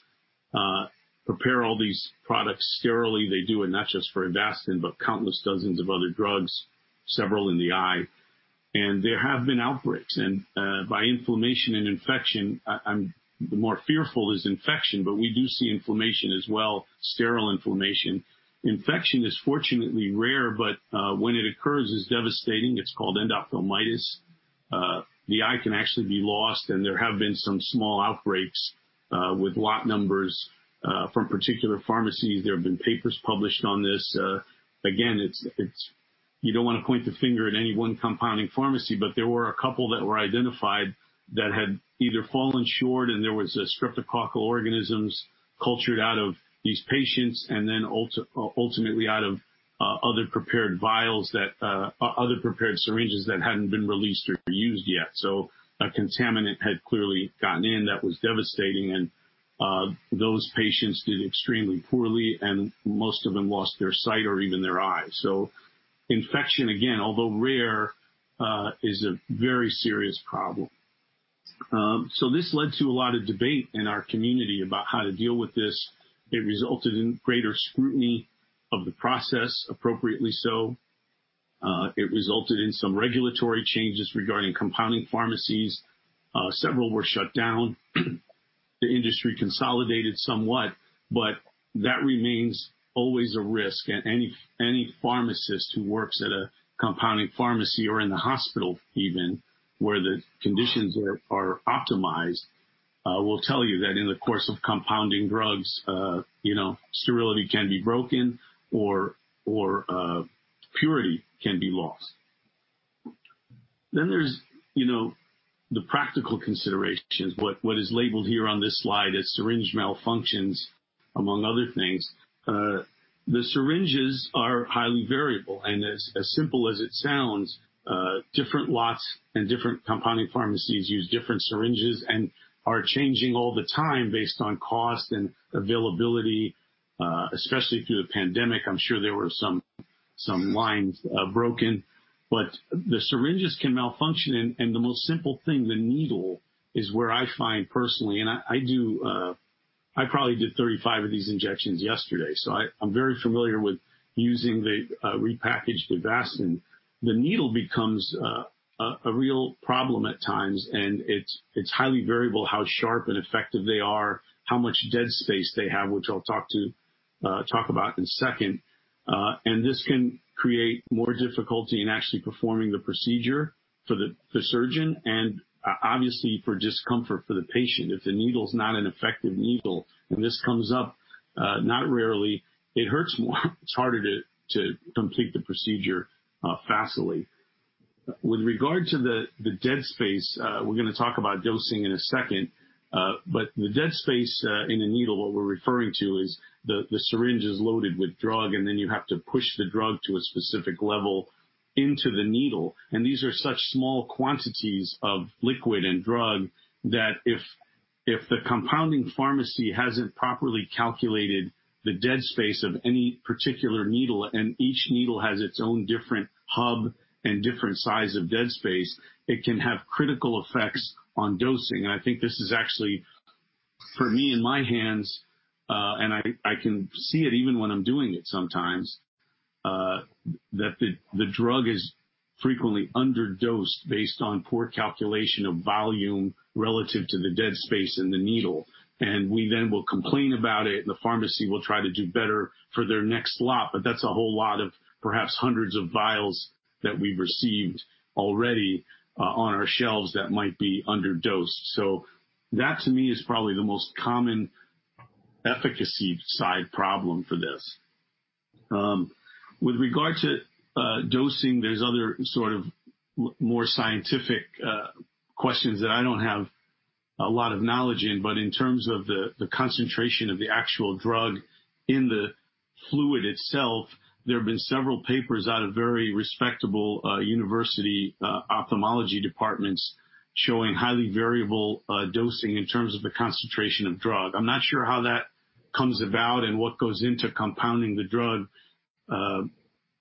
prepare all these products sterilely. They do it not just for AVASTIN, but countless dozens of other drugs, several in the eye. There have been outbreaks. By inflammation and infection, I'm more fearful is infection, but we do see inflammation as well, sterile inflammation. Infection is fortunately rare, but when it occurs, it's devastating. It's called endophthalmitis. The eye can actually be lost. There have been some small outbreaks with lot numbers from particular pharmacies. There have been papers published on this. Again, you don't want to point the finger at any one compounding pharmacy, but there were a couple that were identified that had either fallen short and there was streptococcal organisms cultured out of these patients and then ultimately out of other prepared syringes that hadn't been released or used yet. A contaminant had clearly gotten in. That was devastating. Those patients did extremely poorly, and most of them lost their sight or even their eye. Infection, again, although rare, is a very serious problem. This led to a lot of debate in our community about how to deal with this. It resulted in greater scrutiny of the process, appropriately so. It resulted in some regulatory changes regarding compounding pharmacies. Several were shut down. The industry consolidated somewhat, but that remains always a risk. Any pharmacist who works at a compounding pharmacy or in the hospital even, where the conditions are optimized, will tell you that in the course of compounding drugs, sterility can be broken, or purity can be lost. There's the practical considerations, what is labeled here on this slide as syringe malfunctions, among other things. The syringes are highly variable, and as simple as it sounds, different lots and different compounding pharmacies use different syringes and are changing all the time based on cost and availability, especially through the pandemic. I'm sure there were some lines broken. The syringes can malfunction, and the most simple thing, the needle, is where I find personally, and I probably did 35 of these injections yesterday, so I'm very familiar with using the repackaged AVASTIN. The needle becomes a real problem at times, and it's highly variable how sharp and effective they are, how much dead space they have, which I'll talk about in a second. This can create more difficulty in actually performing the procedure for the surgeon and obviously for discomfort for the patient. If the needle's not an effective needle, and this comes up not rarely, it hurts more. It's harder to complete the procedure fastly. With regard to the dead space, we're going to talk about dosing in a second, but the dead space in a needle, what we're referring to is the syringe is loaded with drug, and then you have to push the drug to a specific level into the needle. These are such small quantities of liquid and drug that if the compounding pharmacy hasn't properly calculated the dead space of any particular needle, and each needle has its own different hub and different size of dead space, it can have critical effects on dosing. I think this is actually, for me, in my hands, and I can see it even when I'm doing it sometimes, that the drug is frequently underdosed based on poor calculation of volume relative to the dead space in the needle. We then will complain about it, and the pharmacy will try to do better for their next lot. That's a whole lot of perhaps hundreds of vials that we've received already on our shelves that might be underdosed. That, to me, is probably the most common efficacy side problem for this. With regard to dosing, there's other sort of more scientific questions that I don't have a lot of knowledge in, but in terms of the concentration of the actual drug in the fluid itself, there have been several papers out of very respectable university ophthalmology departments showing highly variable dosing in terms of the concentration of drug. I'm not sure how that comes about and what goes into compounding the drug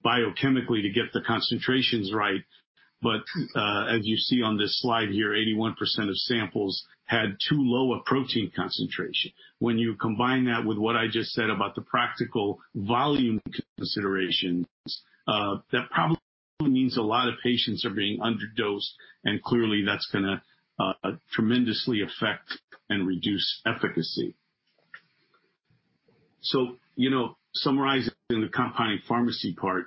biochemically to get the concentrations right. As you see on this slide here, 81% of samples had too low a protein concentration. When you combine that with what I just said about the practical volume considerations, that probably means a lot of patients are being underdosed, and clearly that's going to tremendously affect and reduce efficacy. Summarizing the compounding pharmacy part,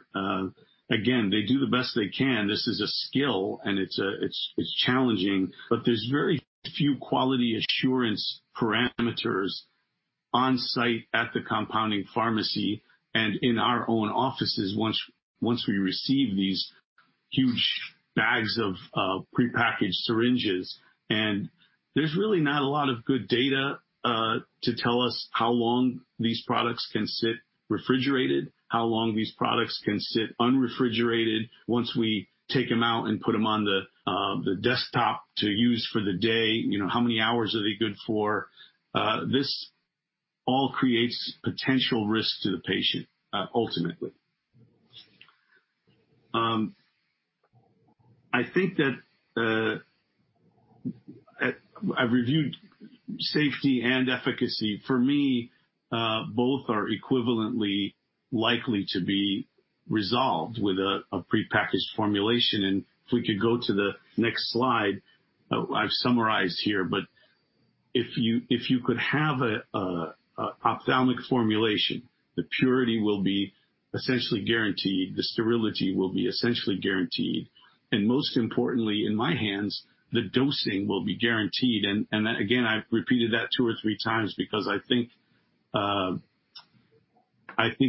again, they do the best they can. This is a skill, and it's challenging, but there's very few quality assurance parameters on-site at the compounding pharmacy and in our own offices once we receive these huge bags of prepackaged syringes. There's really not a lot of good data to tell us how long these products can sit refrigerated, how long these products can sit unrefrigerated once we take them out and put them on the desktop to use for the day. How many hours are they good for? This all creates potential risk to the patient, ultimately. I think that I've reviewed safety and efficacy. For me, both are equivalently likely to be resolved with a prepackaged formulation. If we could go to the next slide, I've summarized here, but if you could have an ophthalmic formulation, the purity will be essentially guaranteed, the sterility will be essentially guaranteed, most importantly, in my hands, the dosing will be guaranteed. Again, I've repeated that two or three times because I think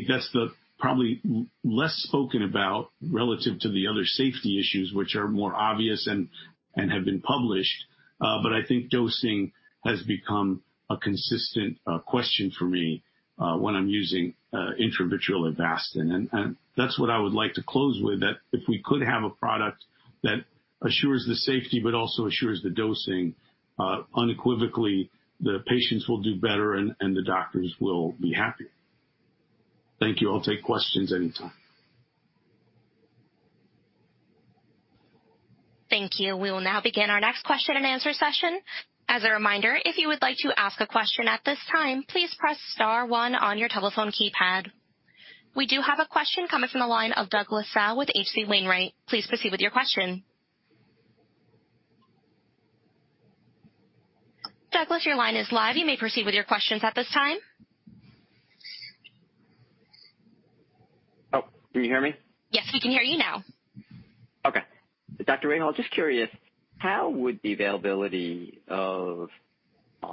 that's probably less spoken about relative to the other safety issues, which are more obvious and have been published. I think dosing has become a consistent question for me when I'm using intravitreal AVASTIN. That's what I would like to close with, that if we could have a product that assures the safety but also assures the dosing, unequivocally, the patients will do better, the doctors will be happier. Thank you. I'll take questions anytime. Thank you. We will now begin our next question and answer session. As a reminder if you will like to ask a question at this time please press star one on your telephone keypad. We do have a question coming from the line of Douglas Tsao with H.C. Wainwright & Co. Please proceed with your question. Douglas, your line is live. You may proceed with your questions at this time. Oh, can you hear me? Yes, we can hear you now. Okay. Dr. Rahhal, just curious, how would the availability of a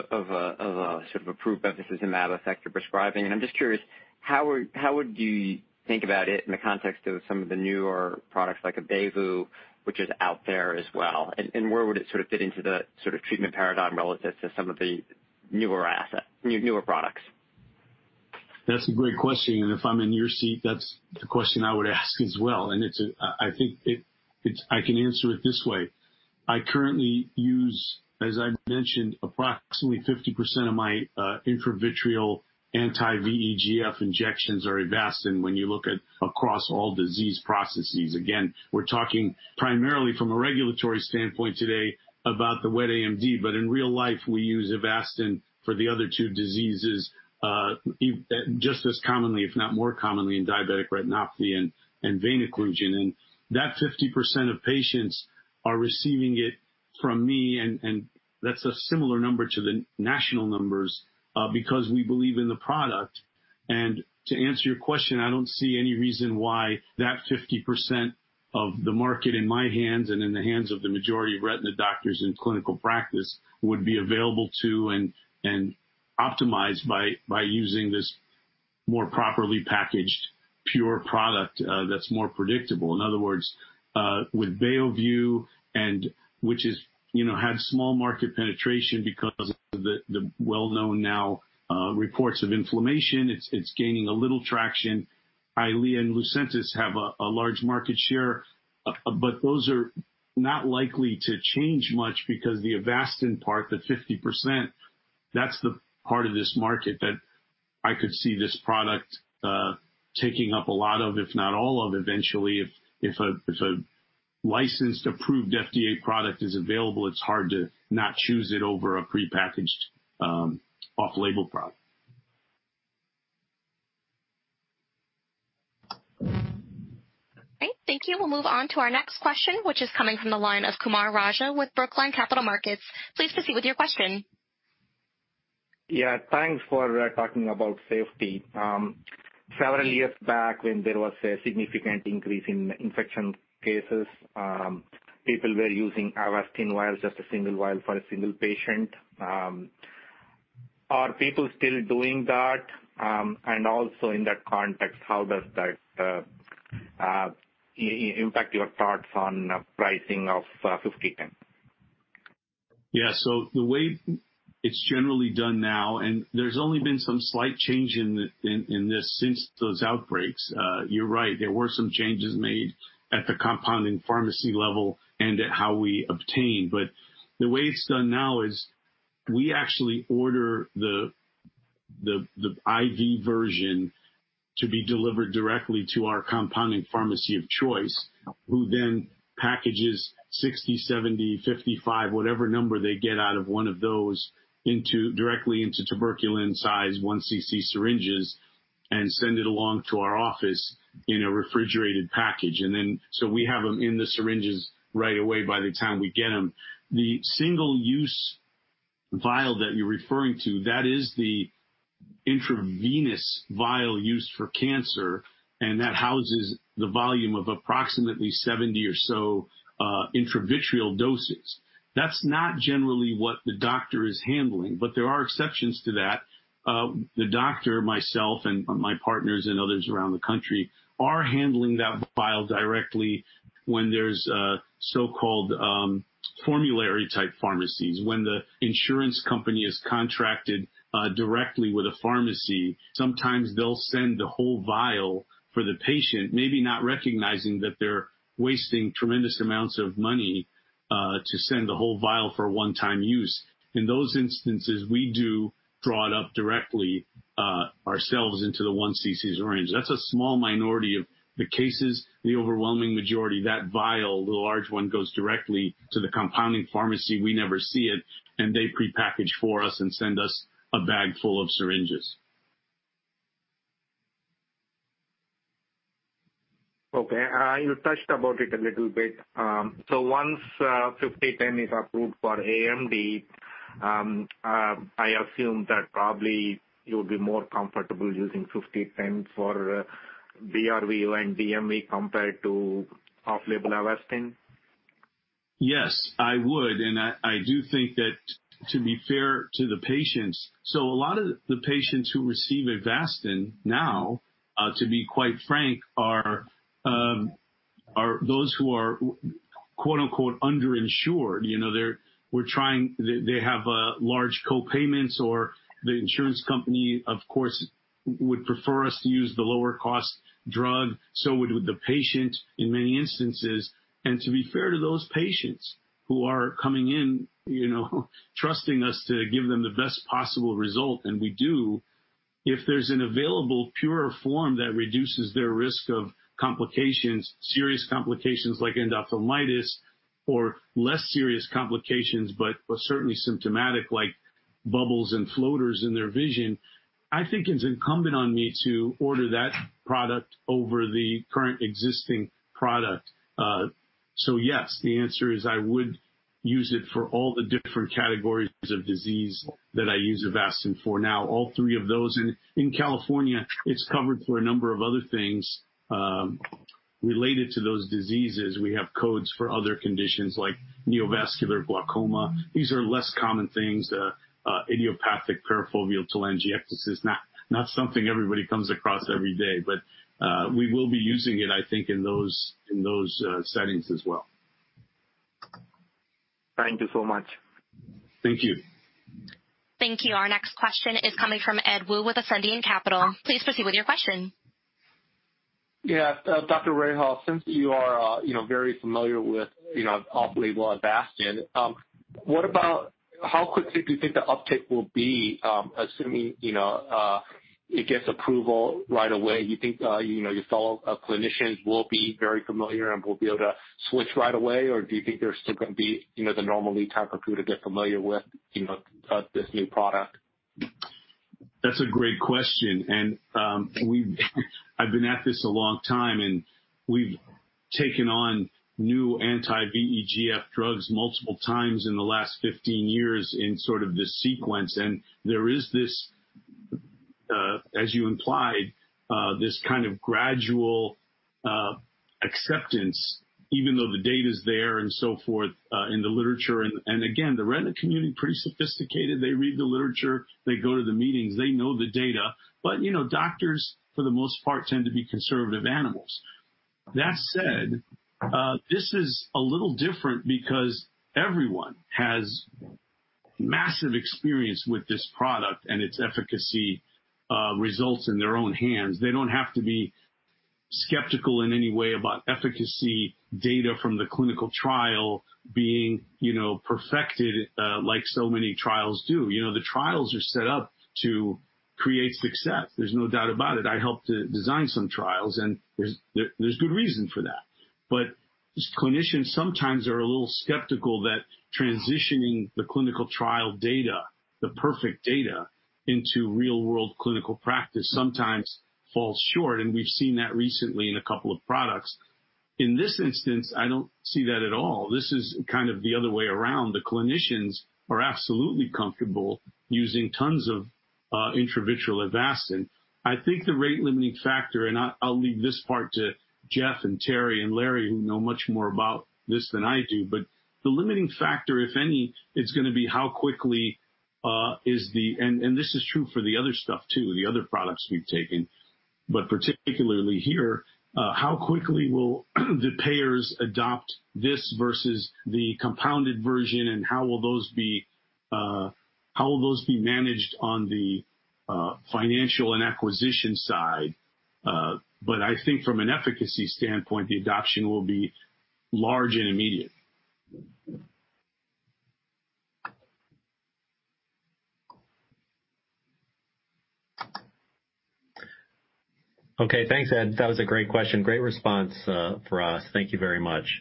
sort of approved bevacizumab affect your prescribing? I'm just curious. How would you think about it in the context of some of the newer products like BEOVU, which is out there as well? Where would it sort of fit into the sort of treatment paradigm relative to some of the newer products? That's a great question. If I'm in your seat, that's the question I would ask as well. I think I can answer it this way. I currently use, as I mentioned, approximately 50% of my intravitreal anti-VEGF injections are AVASTIN when you look at across all disease processes. Again, we're talking primarily from a regulatory standpoint today about the wet AMD, but in real life, we use AVASTIN for the other two diseases, just as commonly, if not more commonly, in diabetic retinopathy and macular edema. That 50% of patients are receiving it from me, and that's a similar number to the national numbers because we believe in the product. To answer your question, I don't see any reason why that 50% of the market in my hands and in the hands of the majority of retina doctors in clinical practice would be available to and optimized by using this more properly packaged pure product that's more predictable. In other words, with BEOVU, which has small market penetration because of the well-known now reports of inflammation, it's gaining a little traction. EYLEA and LUCENTIS have a large market share, but those are not likely to change much because the AVASTIN part, the 50%, that's the part of this market that I could see this product taking up a lot of, if not all of eventually, if a licensed approved FDA product is available, it's hard to not choose it over a prepackaged off-label product. Okay, thank you. We'll move on to our next question, which is coming from the line of Kumar Raja with Brookline Capital Markets. Please proceed with your question. Yeah, thanks for talking about safety. Several years back when there was a significant increase in infection cases, people were using AVASTIN vials, just a single vial for a single patient. Are people still doing that? Also in that context, how does that impact your thoughts on pricing of 5010? Yeah. The way it's generally done now, there's only been some slight change in this since those outbreaks. You're right, there were some changes made at the compounding pharmacy level and at how we obtain. The way it's done now is we actually order the IV version to be delivered directly to our compounding pharmacy of choice, who then packages 60, 70, 55, whatever number they get out of one of those directly into tuberculin size one cc syringes and send it along to our office in a refrigerated package. We have them in the syringes right away by the time we get them. The single-use vial that you're referring to, that is the intravenous vial used for cancer, and that houses the volume of approximately 70 or so intravitreal doses. That's not generally what the doctor is handling, but there are exceptions to that. The doctor, myself, and my partners, and others around the country are handling that vial directly when there's a so-called formulary-type pharmacies. When the insurance company is contracted directly with a pharmacy, sometimes they'll send the whole vial for the patient, maybe not recognizing that they're wasting tremendous amounts of money to send a whole vial for a one-time use. In those instances, we do draw it up directly ourselves into the one cc syringe. That's a small minority of the cases. The overwhelming majority, that vial, the large one, goes directly to the compounding pharmacy. We never see it, and they prepackage for us and send us a bag full of syringes. Okay. You touched about it a little bit. Once 5010 is approved for AMD, I assume that probably you'll be more comfortable using 5010 for BRVO and DME compared to off-label AVASTIN? Yes, I would. I do think that to be fair to the patients, a lot of the patients who receive AVASTIN now, to be quite frank, are those who are "underinsured." They have large co-payments or the insurance company, of course, would prefer us to use the lower-cost drug, so would the patient in many instances. To be fair to those patients who are coming in trusting us to give them the best possible result, and we do, if there's an available pure form that reduces their risk of serious complications like endophthalmitis or less serious complications, but certainly symptomatic like bubbles and floaters in their vision, I think it's incumbent on me to order that product over the current existing product. Yes, the answer is I would use it for all the different categories of disease that I use AVASTIN for now, all three of those. In California, it's covered for a number of other things-Related to those diseases, we have codes for other conditions like neovascular glaucoma. These are less common things, idiopathic perifoveal telangiectasia, not something everybody comes across every day, but we will be using it, I think, in those settings as well. Thank you so much. Thank you. Thank you. Our next question is coming from Ed Woo with Ascendiant Capital Markets. Please proceed with your question. Yeah. Dr. Rahhal, since you are very familiar with off-label AVASTIN, how quickly do you think the uptake will be, assuming it gets approval right away? Do you think your fellow clinicians will be very familiar and will be able to switch right away? Do you think there's still going to be the normal lead time for people to get familiar with this new product? That's a great question. I've been at this a long time, and we've taken on new anti-VEGF drugs multiple times in the last 15 years in sort of this sequence. There is this, as you implied, kind of gradual acceptance, even though the data's there and so forth in the literature. Again, the retina community is pretty sophisticated. They read the literature, they go to the meetings, they know the data. Doctors, for the most part, tend to be conservative animals. That said, this is a little different because everyone has massive experience with this product and its efficacy results in their own hands. They don't have to be skeptical in any way about efficacy data from the clinical trial being perfected like so many trials do. The trials are set up to create success. There's no doubt about it. I helped to design some trials, and there's good reason for that. Clinicians sometimes are a little skeptical that transitioning the clinical trial data, the perfect data, into real-world clinical practice sometimes falls short, and we've seen that recently in a couple of products. In this instance, I don't see that at all. This is kind of the other way around. The clinicians are absolutely comfortable using tons of intravitreal AVASTIN. I think the rate-limiting factor, and I'll leave this part to Jeff and Terry and Larry, who know much more about this than I do, but the limiting factor, if any, is going to be how quickly, and this is true for the other stuff too, the other products we've taken, but particularly here, how quickly will the payers adopt this versus the compounded version, and how will those be managed on the financial and acquisition side? I think from an efficacy standpoint, the adoption will be large and immediate. Okay, thanks, Ed. That was a great question. Great response for us. Thank you very much.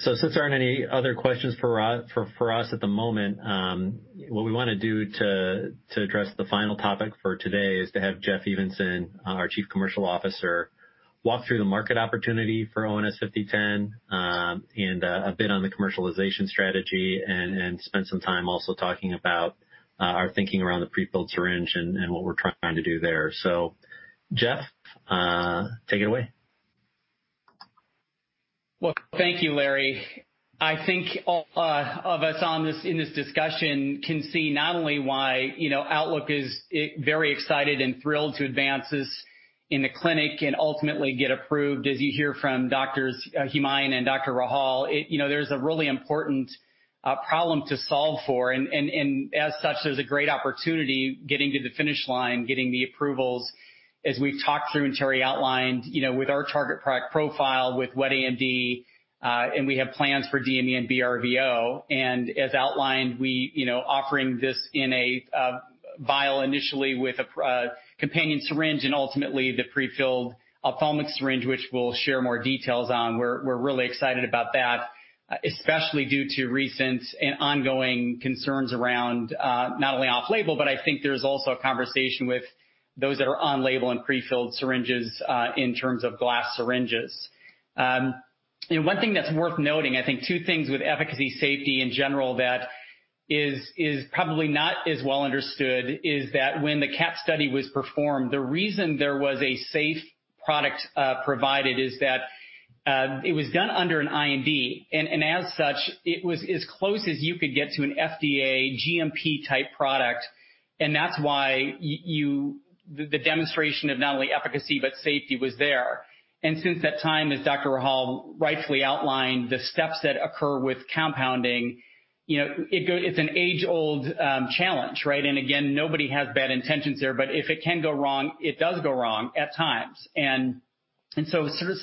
Since there aren't any other questions for us at the moment, what we want to do to address the final topic for today is to have Jeff Evanson, our Chief Commercial Officer, walk through the market opportunity for ONS-5010 and a bit on the commercialization strategy and spend some time also talking about our thinking around the prefilled syringe and what we're trying to do there. Jeff, take it away. Well, thank you, Larry. I think all of us in this discussion can see not only why Outlook is very excited and thrilled to advance this in the clinic and ultimately get approved. As you hear from Dr. Humayun and Dr. Rahhal, there's a really important problem to solve for, and as such, there's a great opportunity getting to the finish line, getting the approvals. As we've talked through and Terry outlined, with our target product profile with wet AMD, and we have plans for DME and BRVO, and as outlined, we offering this in a vial initially with a companion syringe and ultimately the prefilled ophthalmic syringe, which we'll share more details on. We're really excited about that, especially due to recent and ongoing concerns around not only off-label, but I think there's also a conversation with those that are on-label and prefilled syringes in terms of glass syringes. One thing that's worth noting, I think two things with efficacy safety in general that is probably not as well understood is that when the CATT study was performed, the reason there was a safe product provided is that it was done under an IND, and as such, it was as close as you could get to an FDA GMP-type product, and that's why the demonstration of not only efficacy, but safety was there. Since that time, as Dr. Rahhal rightfully outlined, the steps that occur with compounding, it's an age-old challenge, right? Again, nobody has bad intentions there, but if it can go wrong, it does go wrong at times.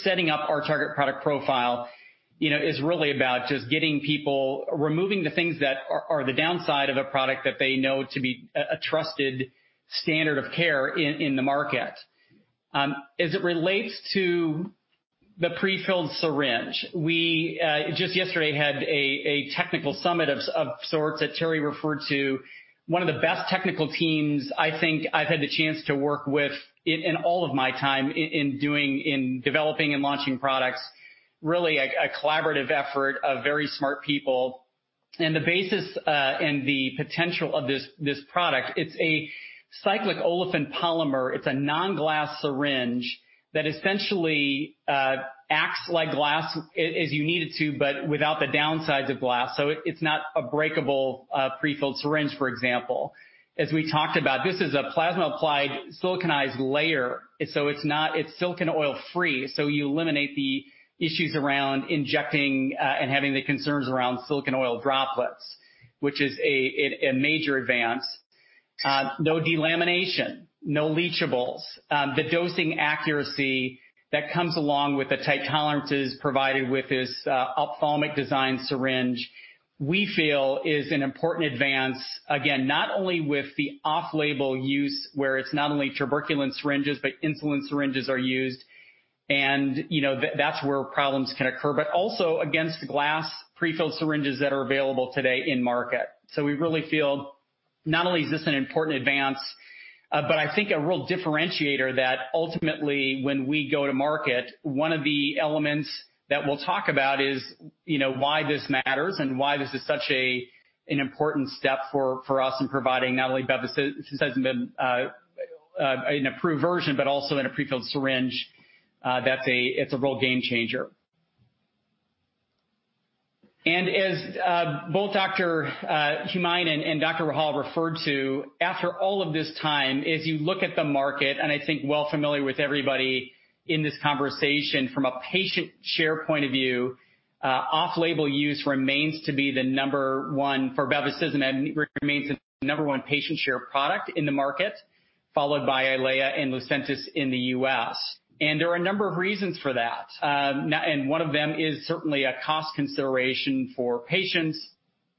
Setting up our target product profile is really about removing the things that are the downside of a product that they know to be a trusted standard of care in the market. As it relates to the prefilled syringe, we just yesterday had a technical summit of sorts that Terry referred to, one of the best technical teams I think I've had the chance to work with in all of my time in developing and launching products, really a collaborative effort of very smart people. The basis and the potential of this product, it's a cyclic olefin polymer. It's a non-glass syringe that essentially acts like glass as you need it to, but without the downsides of glass. It's not a breakable prefilled syringe, for example. As we talked about, this is a plasma applied siliconized layer, so it's silicon oil free. You eliminate the issues around injecting and having the concerns around silicon oil droplets, which is a major advance. No delamination, no leachables. The dosing accuracy that comes along with the tight tolerances provided with this ophthalmic design syringe, we feel is an important advance, again, not only with the off-label use, where it's not only tuberculin syringes, but insulin syringes are used, and that's where problems can occur. Also against the glass prefilled syringes that are available today in market. We really feel not only is this an important advance, but I think a real differentiator that ultimately when we go to market, one of the elements that we'll talk about is why this matters and why this is such an important step for us in providing not only bevacizumab in an approved version, but also in a prefilled syringe. That it's a real game changer. As both Dr. Humayun and Dr. Rahhal referred to, after all of this time, as you look at the market, and I think well familiar with everybody in this conversation, from a patient share point of view, off-label use remains to be the number one for bevacizumab, remains the number one patient share product in the market, followed by EYLEA and LUCENTIS in the U.S. There are a number of reasons for that. One of them is certainly a cost consideration for patients.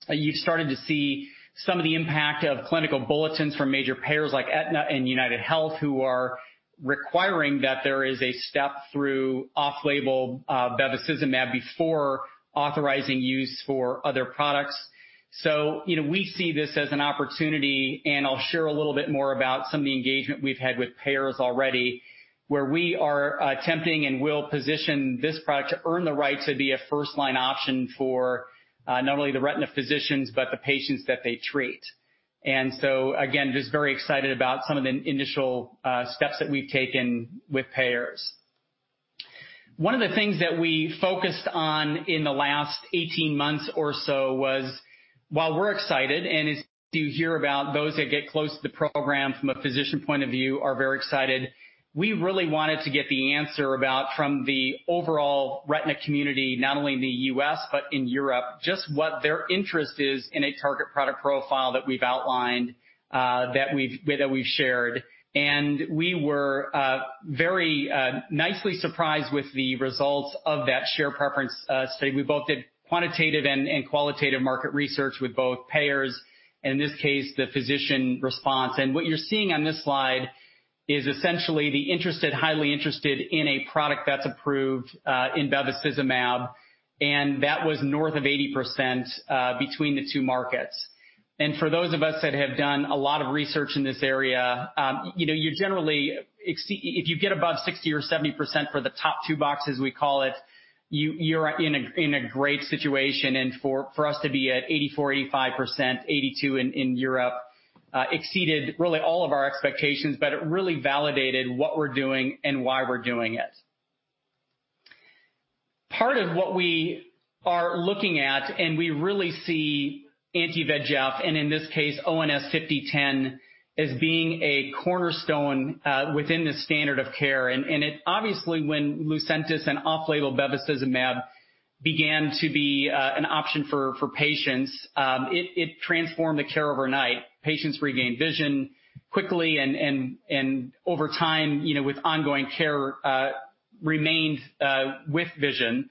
You're starting to see some of the impact of clinical bulletins from major payers like Aetna and UnitedHealth, who are requiring that there is a step through off-label bevacizumab before authorizing use for other products. We see this as an opportunity, and I'll share a little bit more about some of the engagement we've had with payers already, where we are attempting and will position this product to earn the right to be a first-line option for not only the retina physicians, but the patients that they treat. Again, just very excited about some of the initial steps that we've taken with payers. One of the things that we focused on in the last 18 months or so was while we're excited, and as you hear about those that get close to the program from a physician point of view are very excited, we really wanted to get the answer about from the overall retina community, not only in the U.S. but in Europe, just what their interest is in a target product profile that we've outlined, that we've shared. We were very nicely surprised with the results of that share preference study. We both did quantitative and qualitative market research with both payers, in this case, the physician response. What you're seeing on this slide is essentially the interested, highly interested in a product that's approved in bevacizumab, and that was north of 80% between the two markets. For those of us that have done a lot of research in this area, you generally, if you get above 60% or 70% for the top two boxes we call it, you're in a great situation. For us to be at 84%, 85%, 82% in Europe, exceeded really all of our expectations, but it really validated what we're doing and why we're doing it. Part of what we are looking at, and we really see anti-VEGF, and in this case, ONS-5010, as being a cornerstone within the standard of care. It obviously, when LUCENTIS and off-label bevacizumab began to be an option for patients, it transformed the care overnight. Patients regained vision quickly and over time, with ongoing care, remained with vision.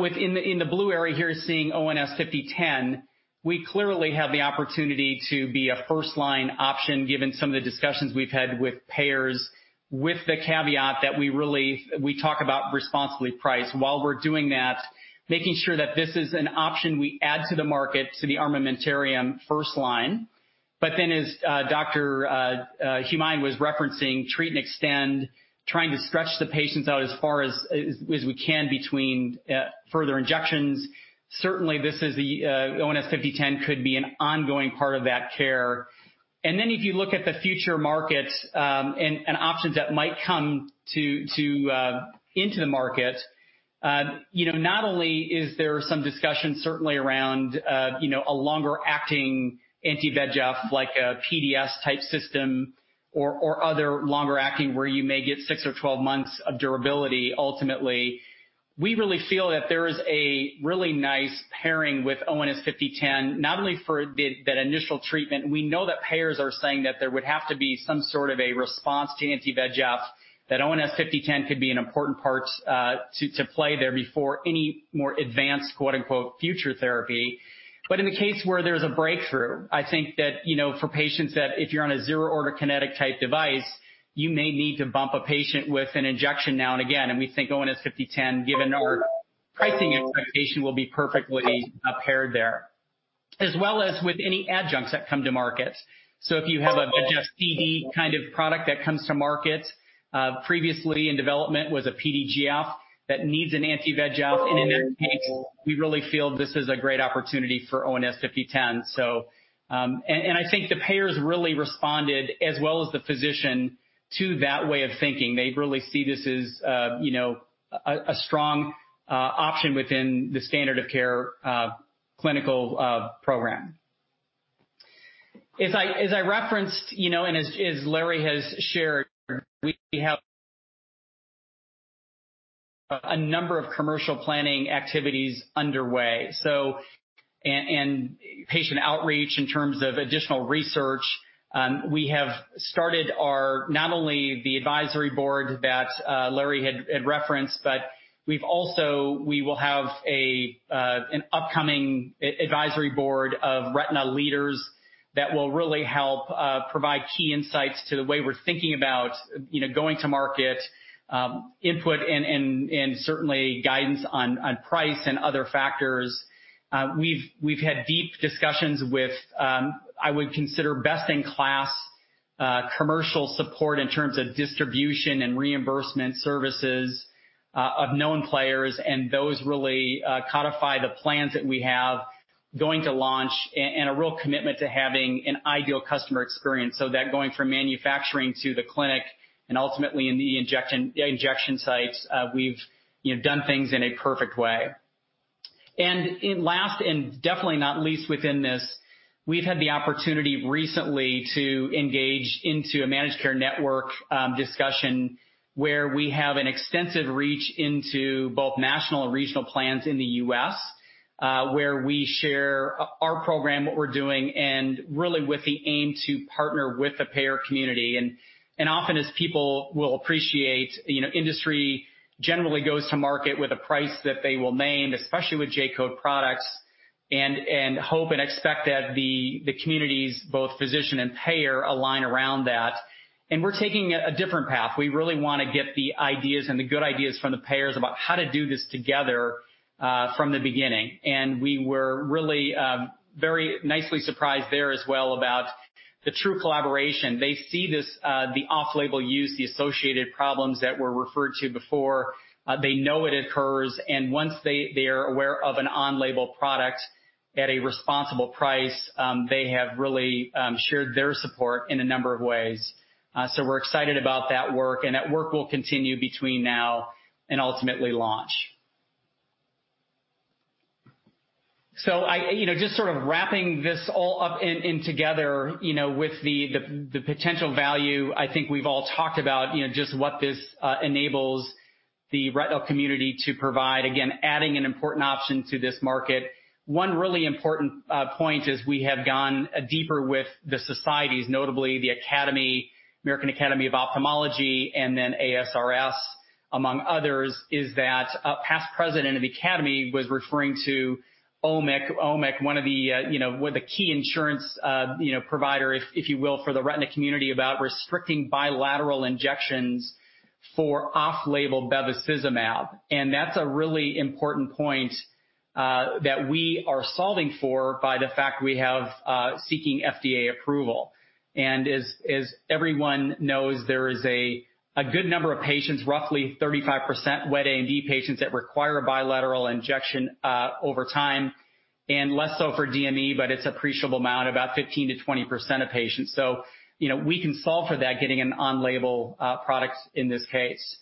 Within the blue area here, seeing ONS-5010, we clearly have the opportunity to be a first-line option given some of the discussions we've had with payers, with the caveat that we talk about responsibly price. While we're doing that, making sure that this is an option we add to the market, to the armamentarium first line. As Dr. Humayun was referencing, treat and extend, trying to stretch the patients out as far as we can between further injections. Certainly ONS-5010 could be an ongoing part of that care. If you look at the future markets and options that might come into the market, not only is there some discussion certainly around a longer-acting anti-VEGF like a PDS type system or other longer-acting where you may get six or 12 months of durability ultimately. We really feel that there is a really nice pairing with ONS-5010, not only for the initial treatment. We know that payers are saying that there would have to be some sort of a response to anti-VEGF, that ONS-5010 could be an important part to play there before any more advanced, quote-unquote, "future therapy." In the case where there's a breakthrough, I think that for patients that if you're on a zero order kinetic type device, you may need to bump a patient with an injection now and again. We think ONS-5010, given our pricing expectation, will be perfectly paired there. As well as with any adjuncts that come to market. If you have a VEGF kind of product that comes to market previously in development with a PDGF that needs an anti-VEGF, in that case, we really feel this is a great opportunity for ONS-5010. I think the payers really responded, as well as the physician, to that way of thinking. They really see this as a strong option within the standard of care clinical program. As I referenced, and as Larry has shared, we have a number of commercial planning activities underway. And patient outreach in terms of additional research, we have started not only the advisory board that Larry had referenced, but we will have an upcoming advisory board of retina leaders that will really help provide key insights to the way we're thinking about going to market, input, and certainly guidance on price and other factors. We've had deep discussions with, I would consider, best-in-class commercial support in terms of distribution and reimbursement services of known players, and those really codify the plans that we have going to launch and a real commitment to having an ideal customer experience so that going from manufacturing to the clinic and ultimately in the injection sites, we've done things in a perfect way. Last, and definitely not least within this, we've had the opportunity recently to engage into a managed care network discussion where we have an extensive reach into both national and regional plans in the U.S., where we share our program, what we're doing, and really with the aim to partner with the payer community. Often as people will appreciate, industry generally goes to market with a price that they will name, especially with J-code products, and hope and expect that the communities, both physician and payer, align around that. We're taking a different path. We really want to get the ideas and the good ideas from the payers about how to do this together from the beginning. We were really very nicely surprised there as well about the true collaboration. They see the off-label use, the associated problems that were referred to before. They know it occurs, and once they are aware of an on-label product at a responsible price, they have really shared their support in a number of ways. We're excited about that work, and that work will continue between now and ultimately launch. Just sort of wrapping this all up in together, with the potential value, I think we've all talked about just what this enables the retinal community to provide. Again, adding an important option to this market. One really important point is we have gone deeper with the societies, notably the American Academy of Ophthalmology, and ASRS, among others, is that a past president of the Academy was referring to OMIC, one of the key insurance providers, if you will, for the retina community about restricting bilateral injections for off-label bevacizumab. That's a really important point that we are solving for by the fact we have seeking FDA approval. As everyone knows, there is a good number of patients, roughly 35% wet AMD patients that require bilateral injection over time, and less so for DME, but it's appreciable amount, about 15%-20% of patients. We can solve for that, getting an on-label product in this case.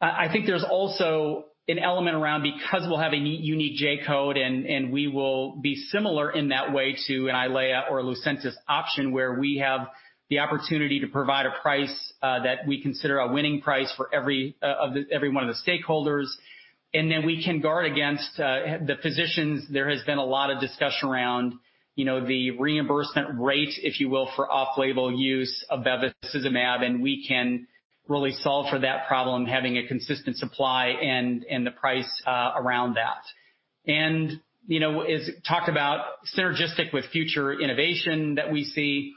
I think there's also an element around because we'll have a unique J-code, and we will be similar in that way to EYLEA or LUCENTIS option, where we have the opportunity to provide a price that we consider a winning price for every one of the stakeholders. Then we can guard against the physicians. There has been a lot of discussion around the reimbursement rate, if you will, for off-label use of bevacizumab. We can really solve for that problem, having a consistent supply and the price around that. As talked about, synergistic with future innovation that we see.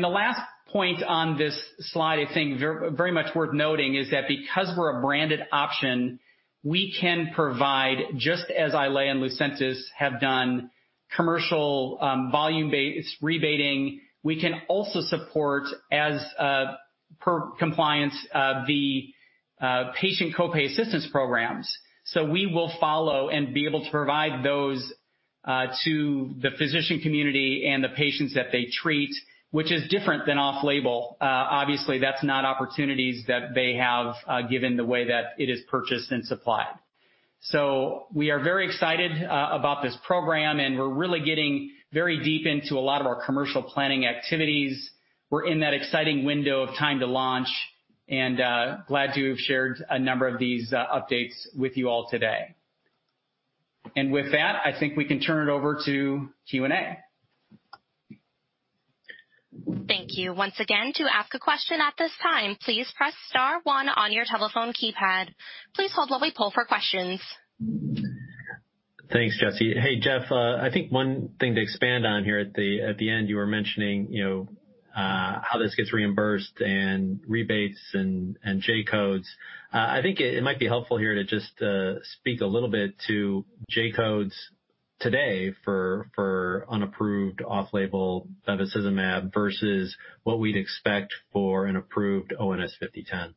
The last point on this slide, I think very much worth noting, is that because we're a branded option, we can provide, just as Eylea and Lucentis have done, commercial volume-based rebating. We can also support as per compliance the patient co-pay assistance programs. We will follow and be able to provide those to the physician community and the patients that they treat, which is different than off-label. Obviously, that's not opportunities that they have given the way that it is purchased and supplied. We are very excited about this program, and we're really getting very deep into a lot of our commercial planning activities. We're in that exciting window of time to launch, and glad to have shared a number of these updates with you all today. With that, I think we can turn it over to Q&A. Thank you. Once again, to ask a question at this time, please press star one on your telephone keypad. Please hold while we pull for questions. Thanks, Jesse. Hey, Jeff. I think one thing to expand on here at the end, you were mentioning how this gets reimbursed and rebates and J-codes. I think it might be helpful here to just speak a little bit to J-codes today for unapproved off-label bevacizumab versus what we'd expect for an approved ONS-5010.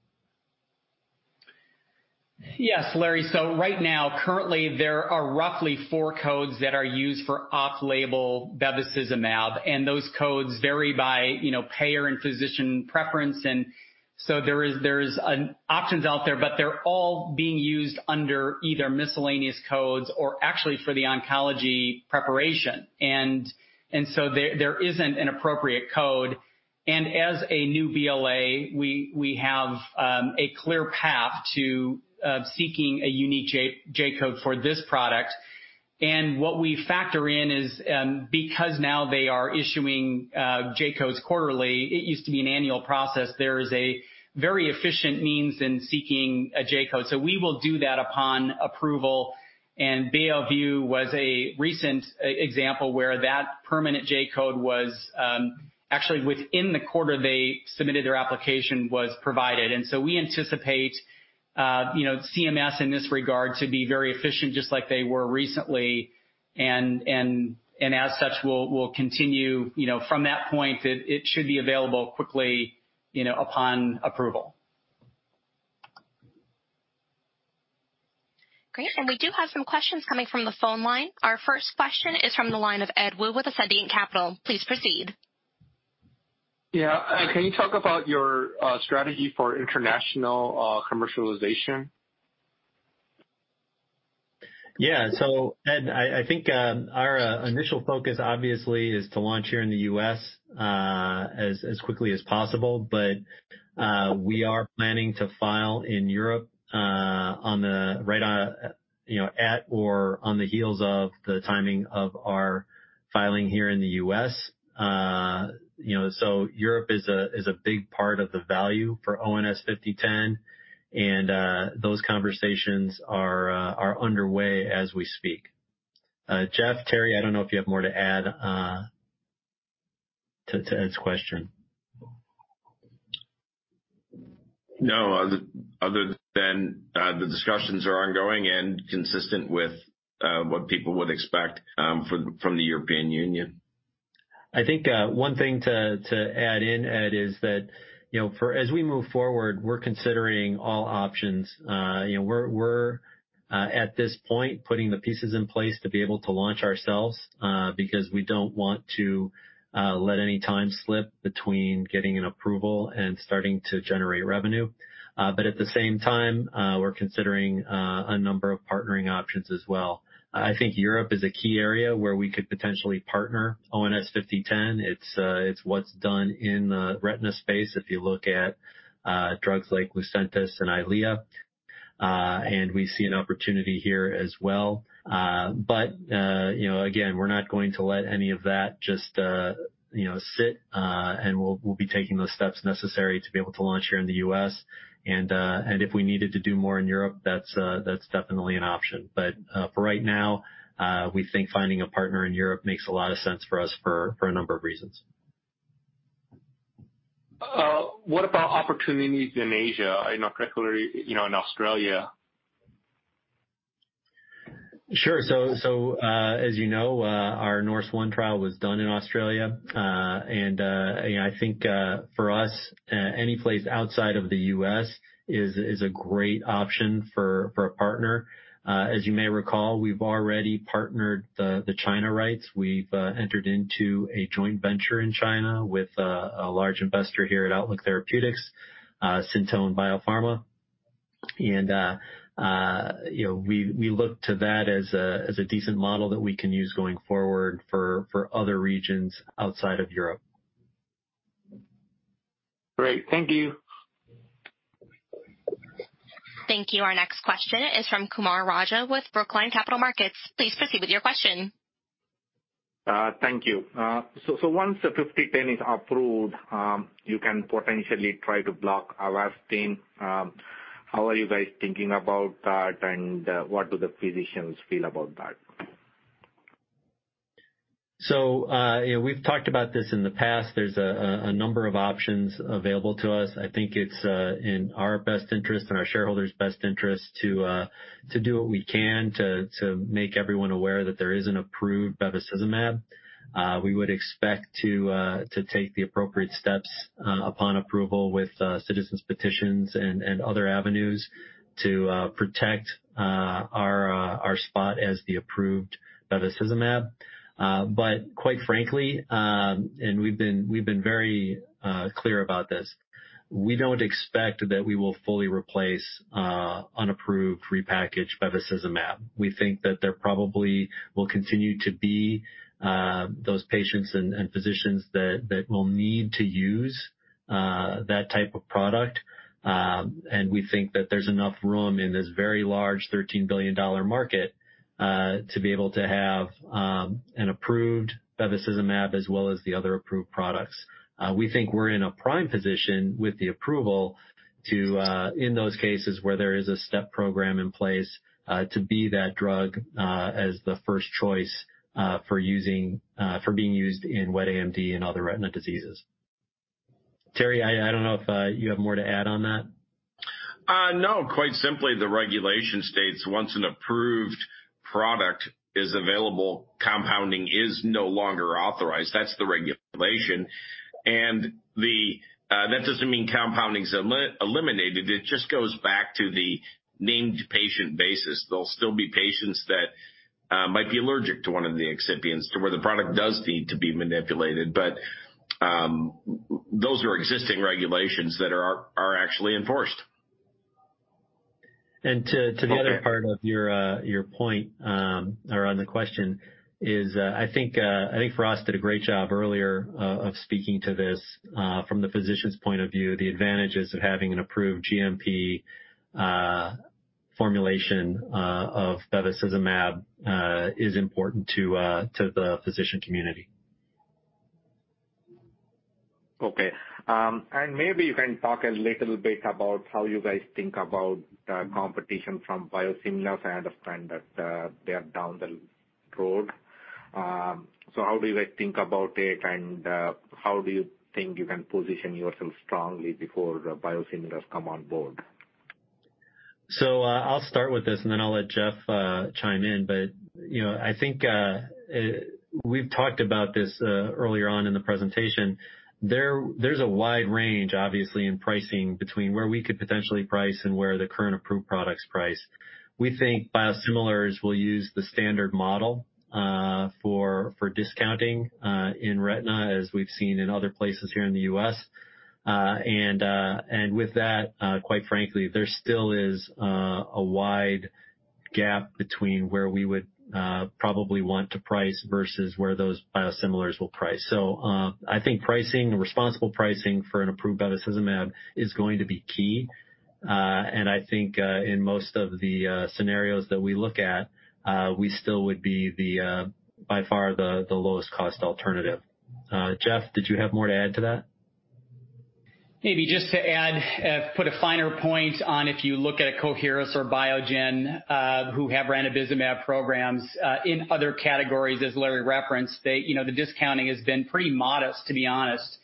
Yes, Larry. Right now, currently, there are roughly four codes that are used for off-label bevacizumab, and those codes vary by payer and physician preference. There is options out there, but they're all being used under either miscellaneous codes or actually for the oncology preparation. There isn't an appropriate code. As a new BLA, we have a clear path to seeking a unique J-code for this product. What we factor in is, because now they are issuing J-codes quarterly, it used to be an annual process, there is a very efficient means in seeking a J-code. We will do that upon approval. Beovu was a recent example where that permanent J-code was actually within the quarter they submitted their application was provided. We anticipate CMS in this regard to be very efficient, just like they were recently. As such, we'll continue from that point, it should be available quickly upon approval. Great. We do have some questions coming from the phone line. Our first question is from the line of Ed Woo with Ascendiant Capital. Please proceed. Yeah. Can you talk about your strategy for international commercialization? Yeah. Ed, I think our initial focus obviously is to launch here in the U.S. as quickly as possible. We are planning to file in Europe at or on the heels of the timing of our filing here in the U.S. Europe is a big part of the value for ONS-5010, and those conversations are underway as we speak. Jeff, Terry, I don't know if you have more to add to Ed's question. Other than the discussions are ongoing and consistent with what people would expect from the European Union. I think one thing to add in, Ed, is that as we move forward, we're considering all options. We're at this point putting the pieces in place to be able to launch ourselves because we don't want to let any time slip between getting an approval and starting to generate revenue. At the same time, we're considering a number of partnering options as well. I think Europe is a key area where we could potentially partner ONS-5010. It's what's done in the retina space. If you look at drugs like LUCENTIS and EYLEA, we see an opportunity here as well. Again, we're not going to let any of that just sit, and we'll be taking those steps necessary to be able to launch here in the U.S. If we needed to do more in Europe, that's definitely an option. For right now, we think finding a partner in Europe makes a lot of sense for us for a number of reasons. What about opportunities in Asia, particularly in Australia? Sure. As you know, our NORSE ONE trial was done in Australia, and I think for us, any place outside of the U.S. is a great option for a partner. As you may recall, we've already partnered the China rights. We've entered into a joint venture in China with a large investor here at Outlook Therapeutics, Syntone Technologies Group Co Ltd. We look to that as a decent model that we can use going forward for other regions outside of Europe. Great. Thank you. Thank you. Our next question is from Kumar Raja with Brookline Capital Markets. Please proceed with your question. Thank you. Once the ONS-5010 is approved, you can potentially try to block AVASTIN. How are you guys thinking about that, and what do the physicians feel about that? We've talked about this in the past. There's a number of options available to us. I think it's in our best interest and our shareholders' best interest to do what we can to make everyone aware that there is an approved bevacizumab. We would expect to take the appropriate steps upon approval with citizens' petitions and other avenues to protect our spot as the approved bevacizumab. Quite frankly, and we've been very clear about this, we don't expect that we will fully replace unapproved repackaged bevacizumab. We think that there probably will continue to be those patients and physicians that will need to use that type of product. We think that there's enough room in this very large $13 billion market to be able to have an approved bevacizumab as well as the other approved products. We think we're in a prime position with the approval to, in those cases where there is a step program in place, to be that drug as the first choice for being used in wet AMD and other retina diseases. Terry, I don't know if you have more to add on that. No. Quite simply, the regulation states once an approved product is available, compounding is no longer authorized. That's the regulation. That doesn't mean compounding is eliminated. It just goes back to the named patient basis. There'll still be patients that might be allergic to one of the excipients to where the product does need to be manipulated. Those are existing regulations that are actually enforced. To the other part of your point around the question is, I think Firas did a great job earlier of speaking to this from the physician's point of view. The advantages of having an approved GMP formulation of bevacizumab is important to the physician community. Okay. Maybe you can talk a little bit about how you guys think about competition from biosimilars. I understand that they are down the road. How do you guys think about it, and how do you think you can position yourself strongly before biosimilars come on board? I'll start with this, and then I'll let Jeff chime in. I think we've talked about this earlier on in the presentation. There's a wide range, obviously, in pricing between where we could potentially price and where the current approved product's priced. We think biosimilars will use the standard model for discounting in retina, as we've seen in other places here in the U.S. With that, quite frankly, there still is a wide gap between where we would probably want to price versus where those biosimilars will price. I think responsible pricing for an approved bevacizumab is going to be key. I think in most of the scenarios that we look at, we still would be by far the lowest cost alternative. Jeff, did you have more to add to that? Maybe just to add, put a finer point on, if you look at Coherus or Biogen, who have ran aflibercept programs in other categories, as Larry referenced, the discounting has been pretty modest, to be honest,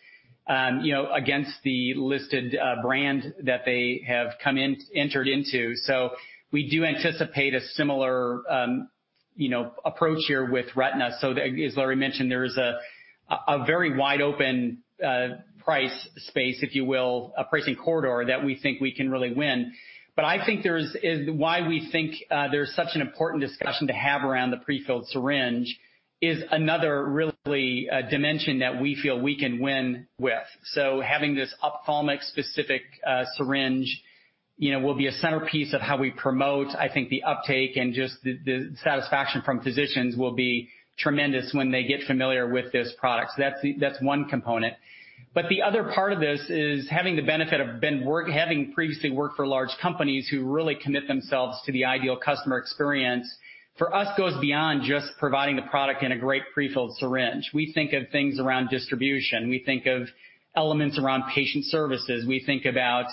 against the listed brand that they have entered into. We do anticipate a similar approach here with retina. As Larry mentioned, there is a very wide-open price space, if you will, a pricing corridor that we think we can really win. I think why we think there's such an important discussion to have around the pre-filled syringe is another really dimension that we feel we can win with. Having this ophthalmic-specific syringe will be a centerpiece of how we promote. I think the uptake and just the satisfaction from physicians will be tremendous when they get familiar with this product. That's one component. The other part of this is having the benefit of having previously worked for large companies who really commit themselves to the ideal customer experience, for us, goes beyond just providing a product in a great pre-filled syringe. We think of things around distribution. We think of elements around patient services. We think about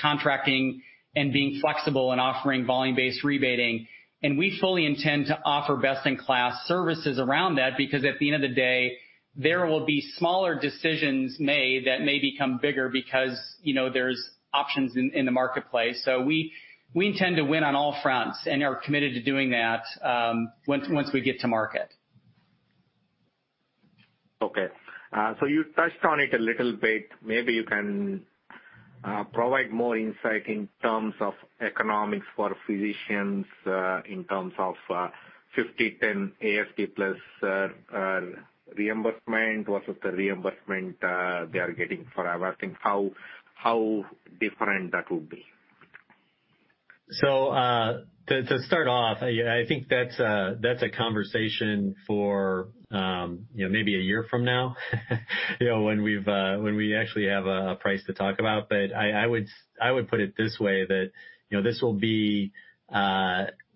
contracting and being flexible and offering volume-based rebating. We fully intend to offer best-in-class services around that because at the end of the day, there will be smaller decisions made that may become bigger because there's options in the marketplace. We intend to win on all fronts and are committed to doing that once we get to market. Okay. You touched on it a little bit. Maybe you can provide more insight in terms of economics for physicians, in terms of 5010 ASP plus reimbursement versus the reimbursement they are getting for AVASTIN, how different that will be? To start off, I think that's a conversation for maybe a year from now when we actually have a price to talk about. I would put it this way, that this will be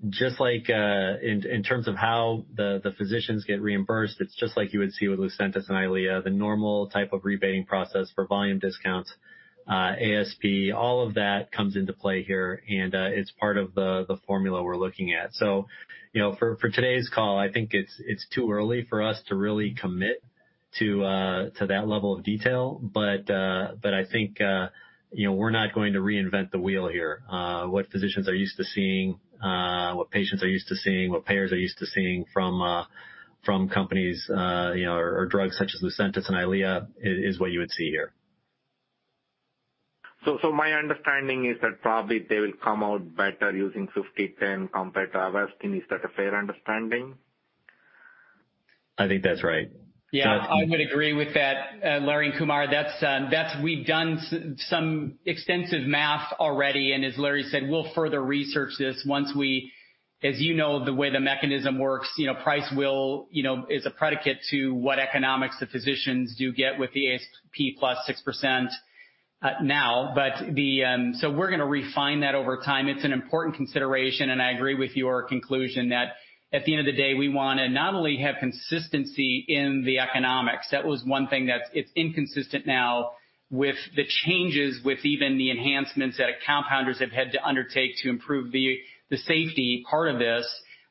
just like in terms of how the physicians get reimbursed. It's just like you would see with LUCENTIS and EYLEA, the normal type of rebating process for volume discounts, ASP, all of that comes into play here, and it's part of the formula we're looking at. For today's call, I think it's too early for us to really commit to that level of detail. I think we're not going to reinvent the wheel here. What physicians are used to seeing, what patients are used to seeing, what payers are used to seeing from companies or drugs such as LUCENTIS and EYLEA is what you would see here. My understanding is that probably they will come out better using 5010 compared to AVASTIN. Is that a fair understanding? I think that's right. Yeah. I would agree with that, Larry, Kumar. We've done some extensive math already, and as Larry said, we'll further research this. As you know, the way the mechanism works, price is a predicate to what economics the physicians do get with the ASP plus 6% now. We're going to refine that over time. It's an important consideration, and I agree with your conclusion that at the end of the day, we want to not only have consistency in the economics. That was one thing that's inconsistent now with the changes, with even the enhancements that compounders have had to undertake to improve the safety part of this,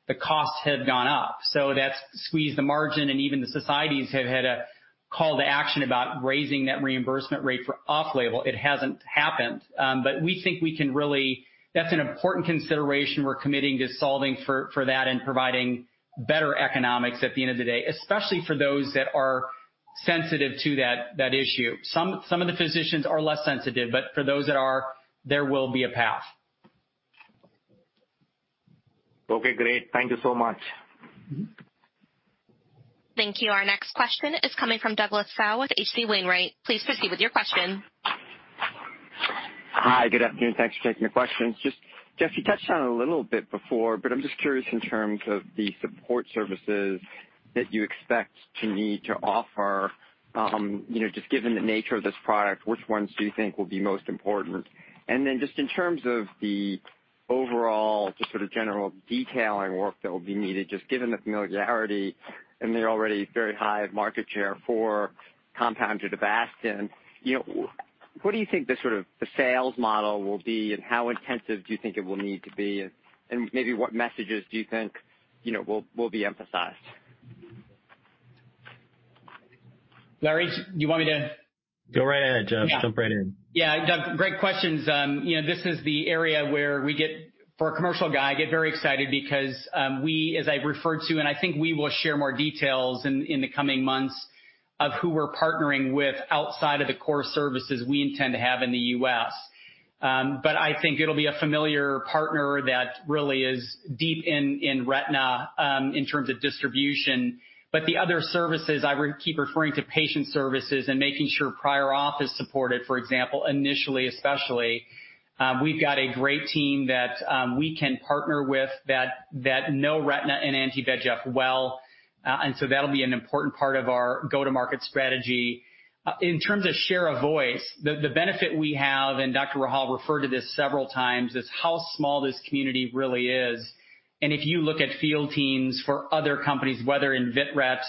the costs have gone up. That's squeezed the margin, and even the societies have had a call to action about raising that reimbursement rate for off-label. It hasn't happened. We think that's an important consideration we're committing to solving for that and providing better economics at the end of the day, especially for those that are sensitive to that issue. Some of the physicians are less sensitive, but for those that are, there will be a path. Okay, great. Thank you so much. Thank you. Our next question is coming from Douglas Tsao with H.C. Wainwright. Please proceed with your question. Hi. Good afternoon. Thanks for taking our questions. Jeff, you touched on it a little bit before, but I'm just curious in terms of the support services that you expect to need to offer, just given the nature of this product, which ones do you think will be most important? Just in terms of the overall general detailing work that'll be needed, just given the familiarity and the already very high market share for compounded AVASTIN, what do you think the sales model will be, and how intensive do you think it will need to be, and maybe what messages do you think will be emphasized? Larry, do you want me to. Go right ahead, Jeff. Jump right in. Yeah. Great questions. This is the area where, for a commercial guy, I get very excited because we, as I referred to, and I think we will share more details in the coming months of who we're partnering with outside of the core services we intend to have in the U.S. I think it'll be a familiar partner that really is deep in retina in terms of distribution. The other services, I keep referring to patient services and making sure prior office support is, for example, initially especially. We've got a great team that we can partner with that know retina and anti-VEGF well, and so that'll be an important part of our go-to-market strategy. In terms of share of voice, the benefit we have, and Dr. Rahhal referred to this several times, is how small this community really is. If you look at field teams for other companies, whether in vit-rets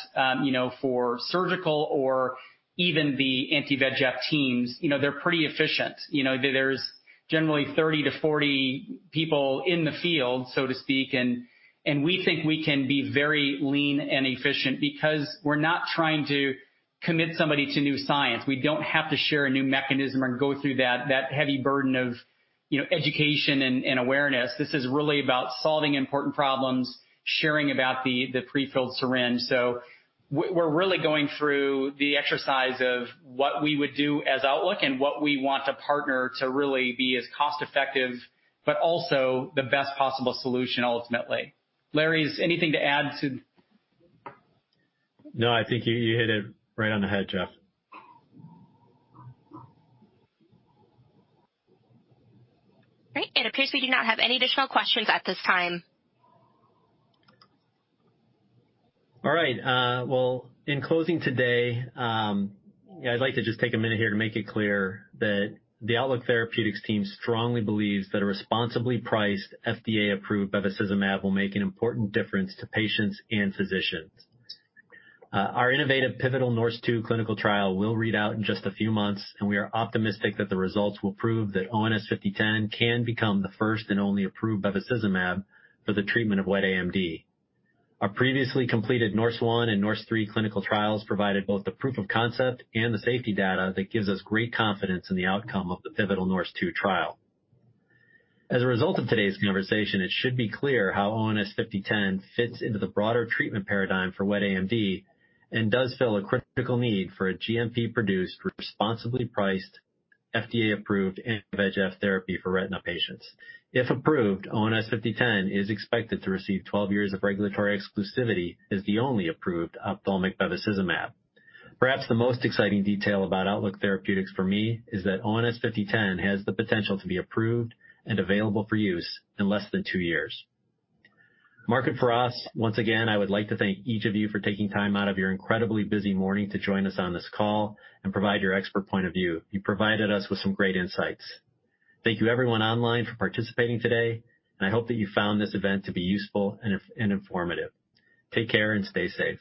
for surgical or even the anti-VEGF teams, they're pretty efficient. There's generally 30-40 people in the field, so to speak, and we think we can be very lean and efficient because we're not trying to commit somebody to new science. We don't have to share a new mechanism or go through that heavy burden of education and awareness. This is really about solving important problems, sharing about the pre-filled syringe. We're really going through the exercise of what we would do as Outlook and what we want to partner to really be as cost-effective, but also the best possible solution ultimately. Larry, is anything to add to. No, I think you hit it right on the head, Jeff. Great. It appears we do not have any additional questions at this time. All right. Well, in closing today, I'd like to just take a minute here to make it clear that the Outlook Therapeutics team strongly believes that a responsibly priced, FDA-approved bevacizumab will make an important difference to patients and physicians. Our innovative pivotal NORSE TWO clinical trial will read out in just a few months. We are optimistic that the results will prove that ONS-5010 can become the first and only approved bevacizumab for the treatment of wet AMD. Our previously completed NORSE ONE and NORSE THREE clinical trials provided both the proof of concept and the safety data that gives us great confidence in the outcome of the pivotal NORSE TWO trial. As a result of today's conversation, it should be clear how ONS-5010 fits into the broader treatment paradigm for wet AMD. It does fill a critical need for a GMP-produced, responsibly priced, FDA-approved anti-VEGF therapy for retina patients. If approved, ONS-5010 is expected to receive 12 years of regulatory exclusivity as the only approved ophthalmic bevacizumab. Perhaps the most exciting detail about Outlook Therapeutics for me is that ONS-5010 has the potential to be approved and available for use in less than two years. Mark, Firas once again, I would like to thank each of you for taking time out of your incredibly busy morning to join us on this call and provide your expert point of view. You provided us with some great insights. Thank you everyone online for participating today, and I hope that you found this event to be useful and informative. Take care and stay safe.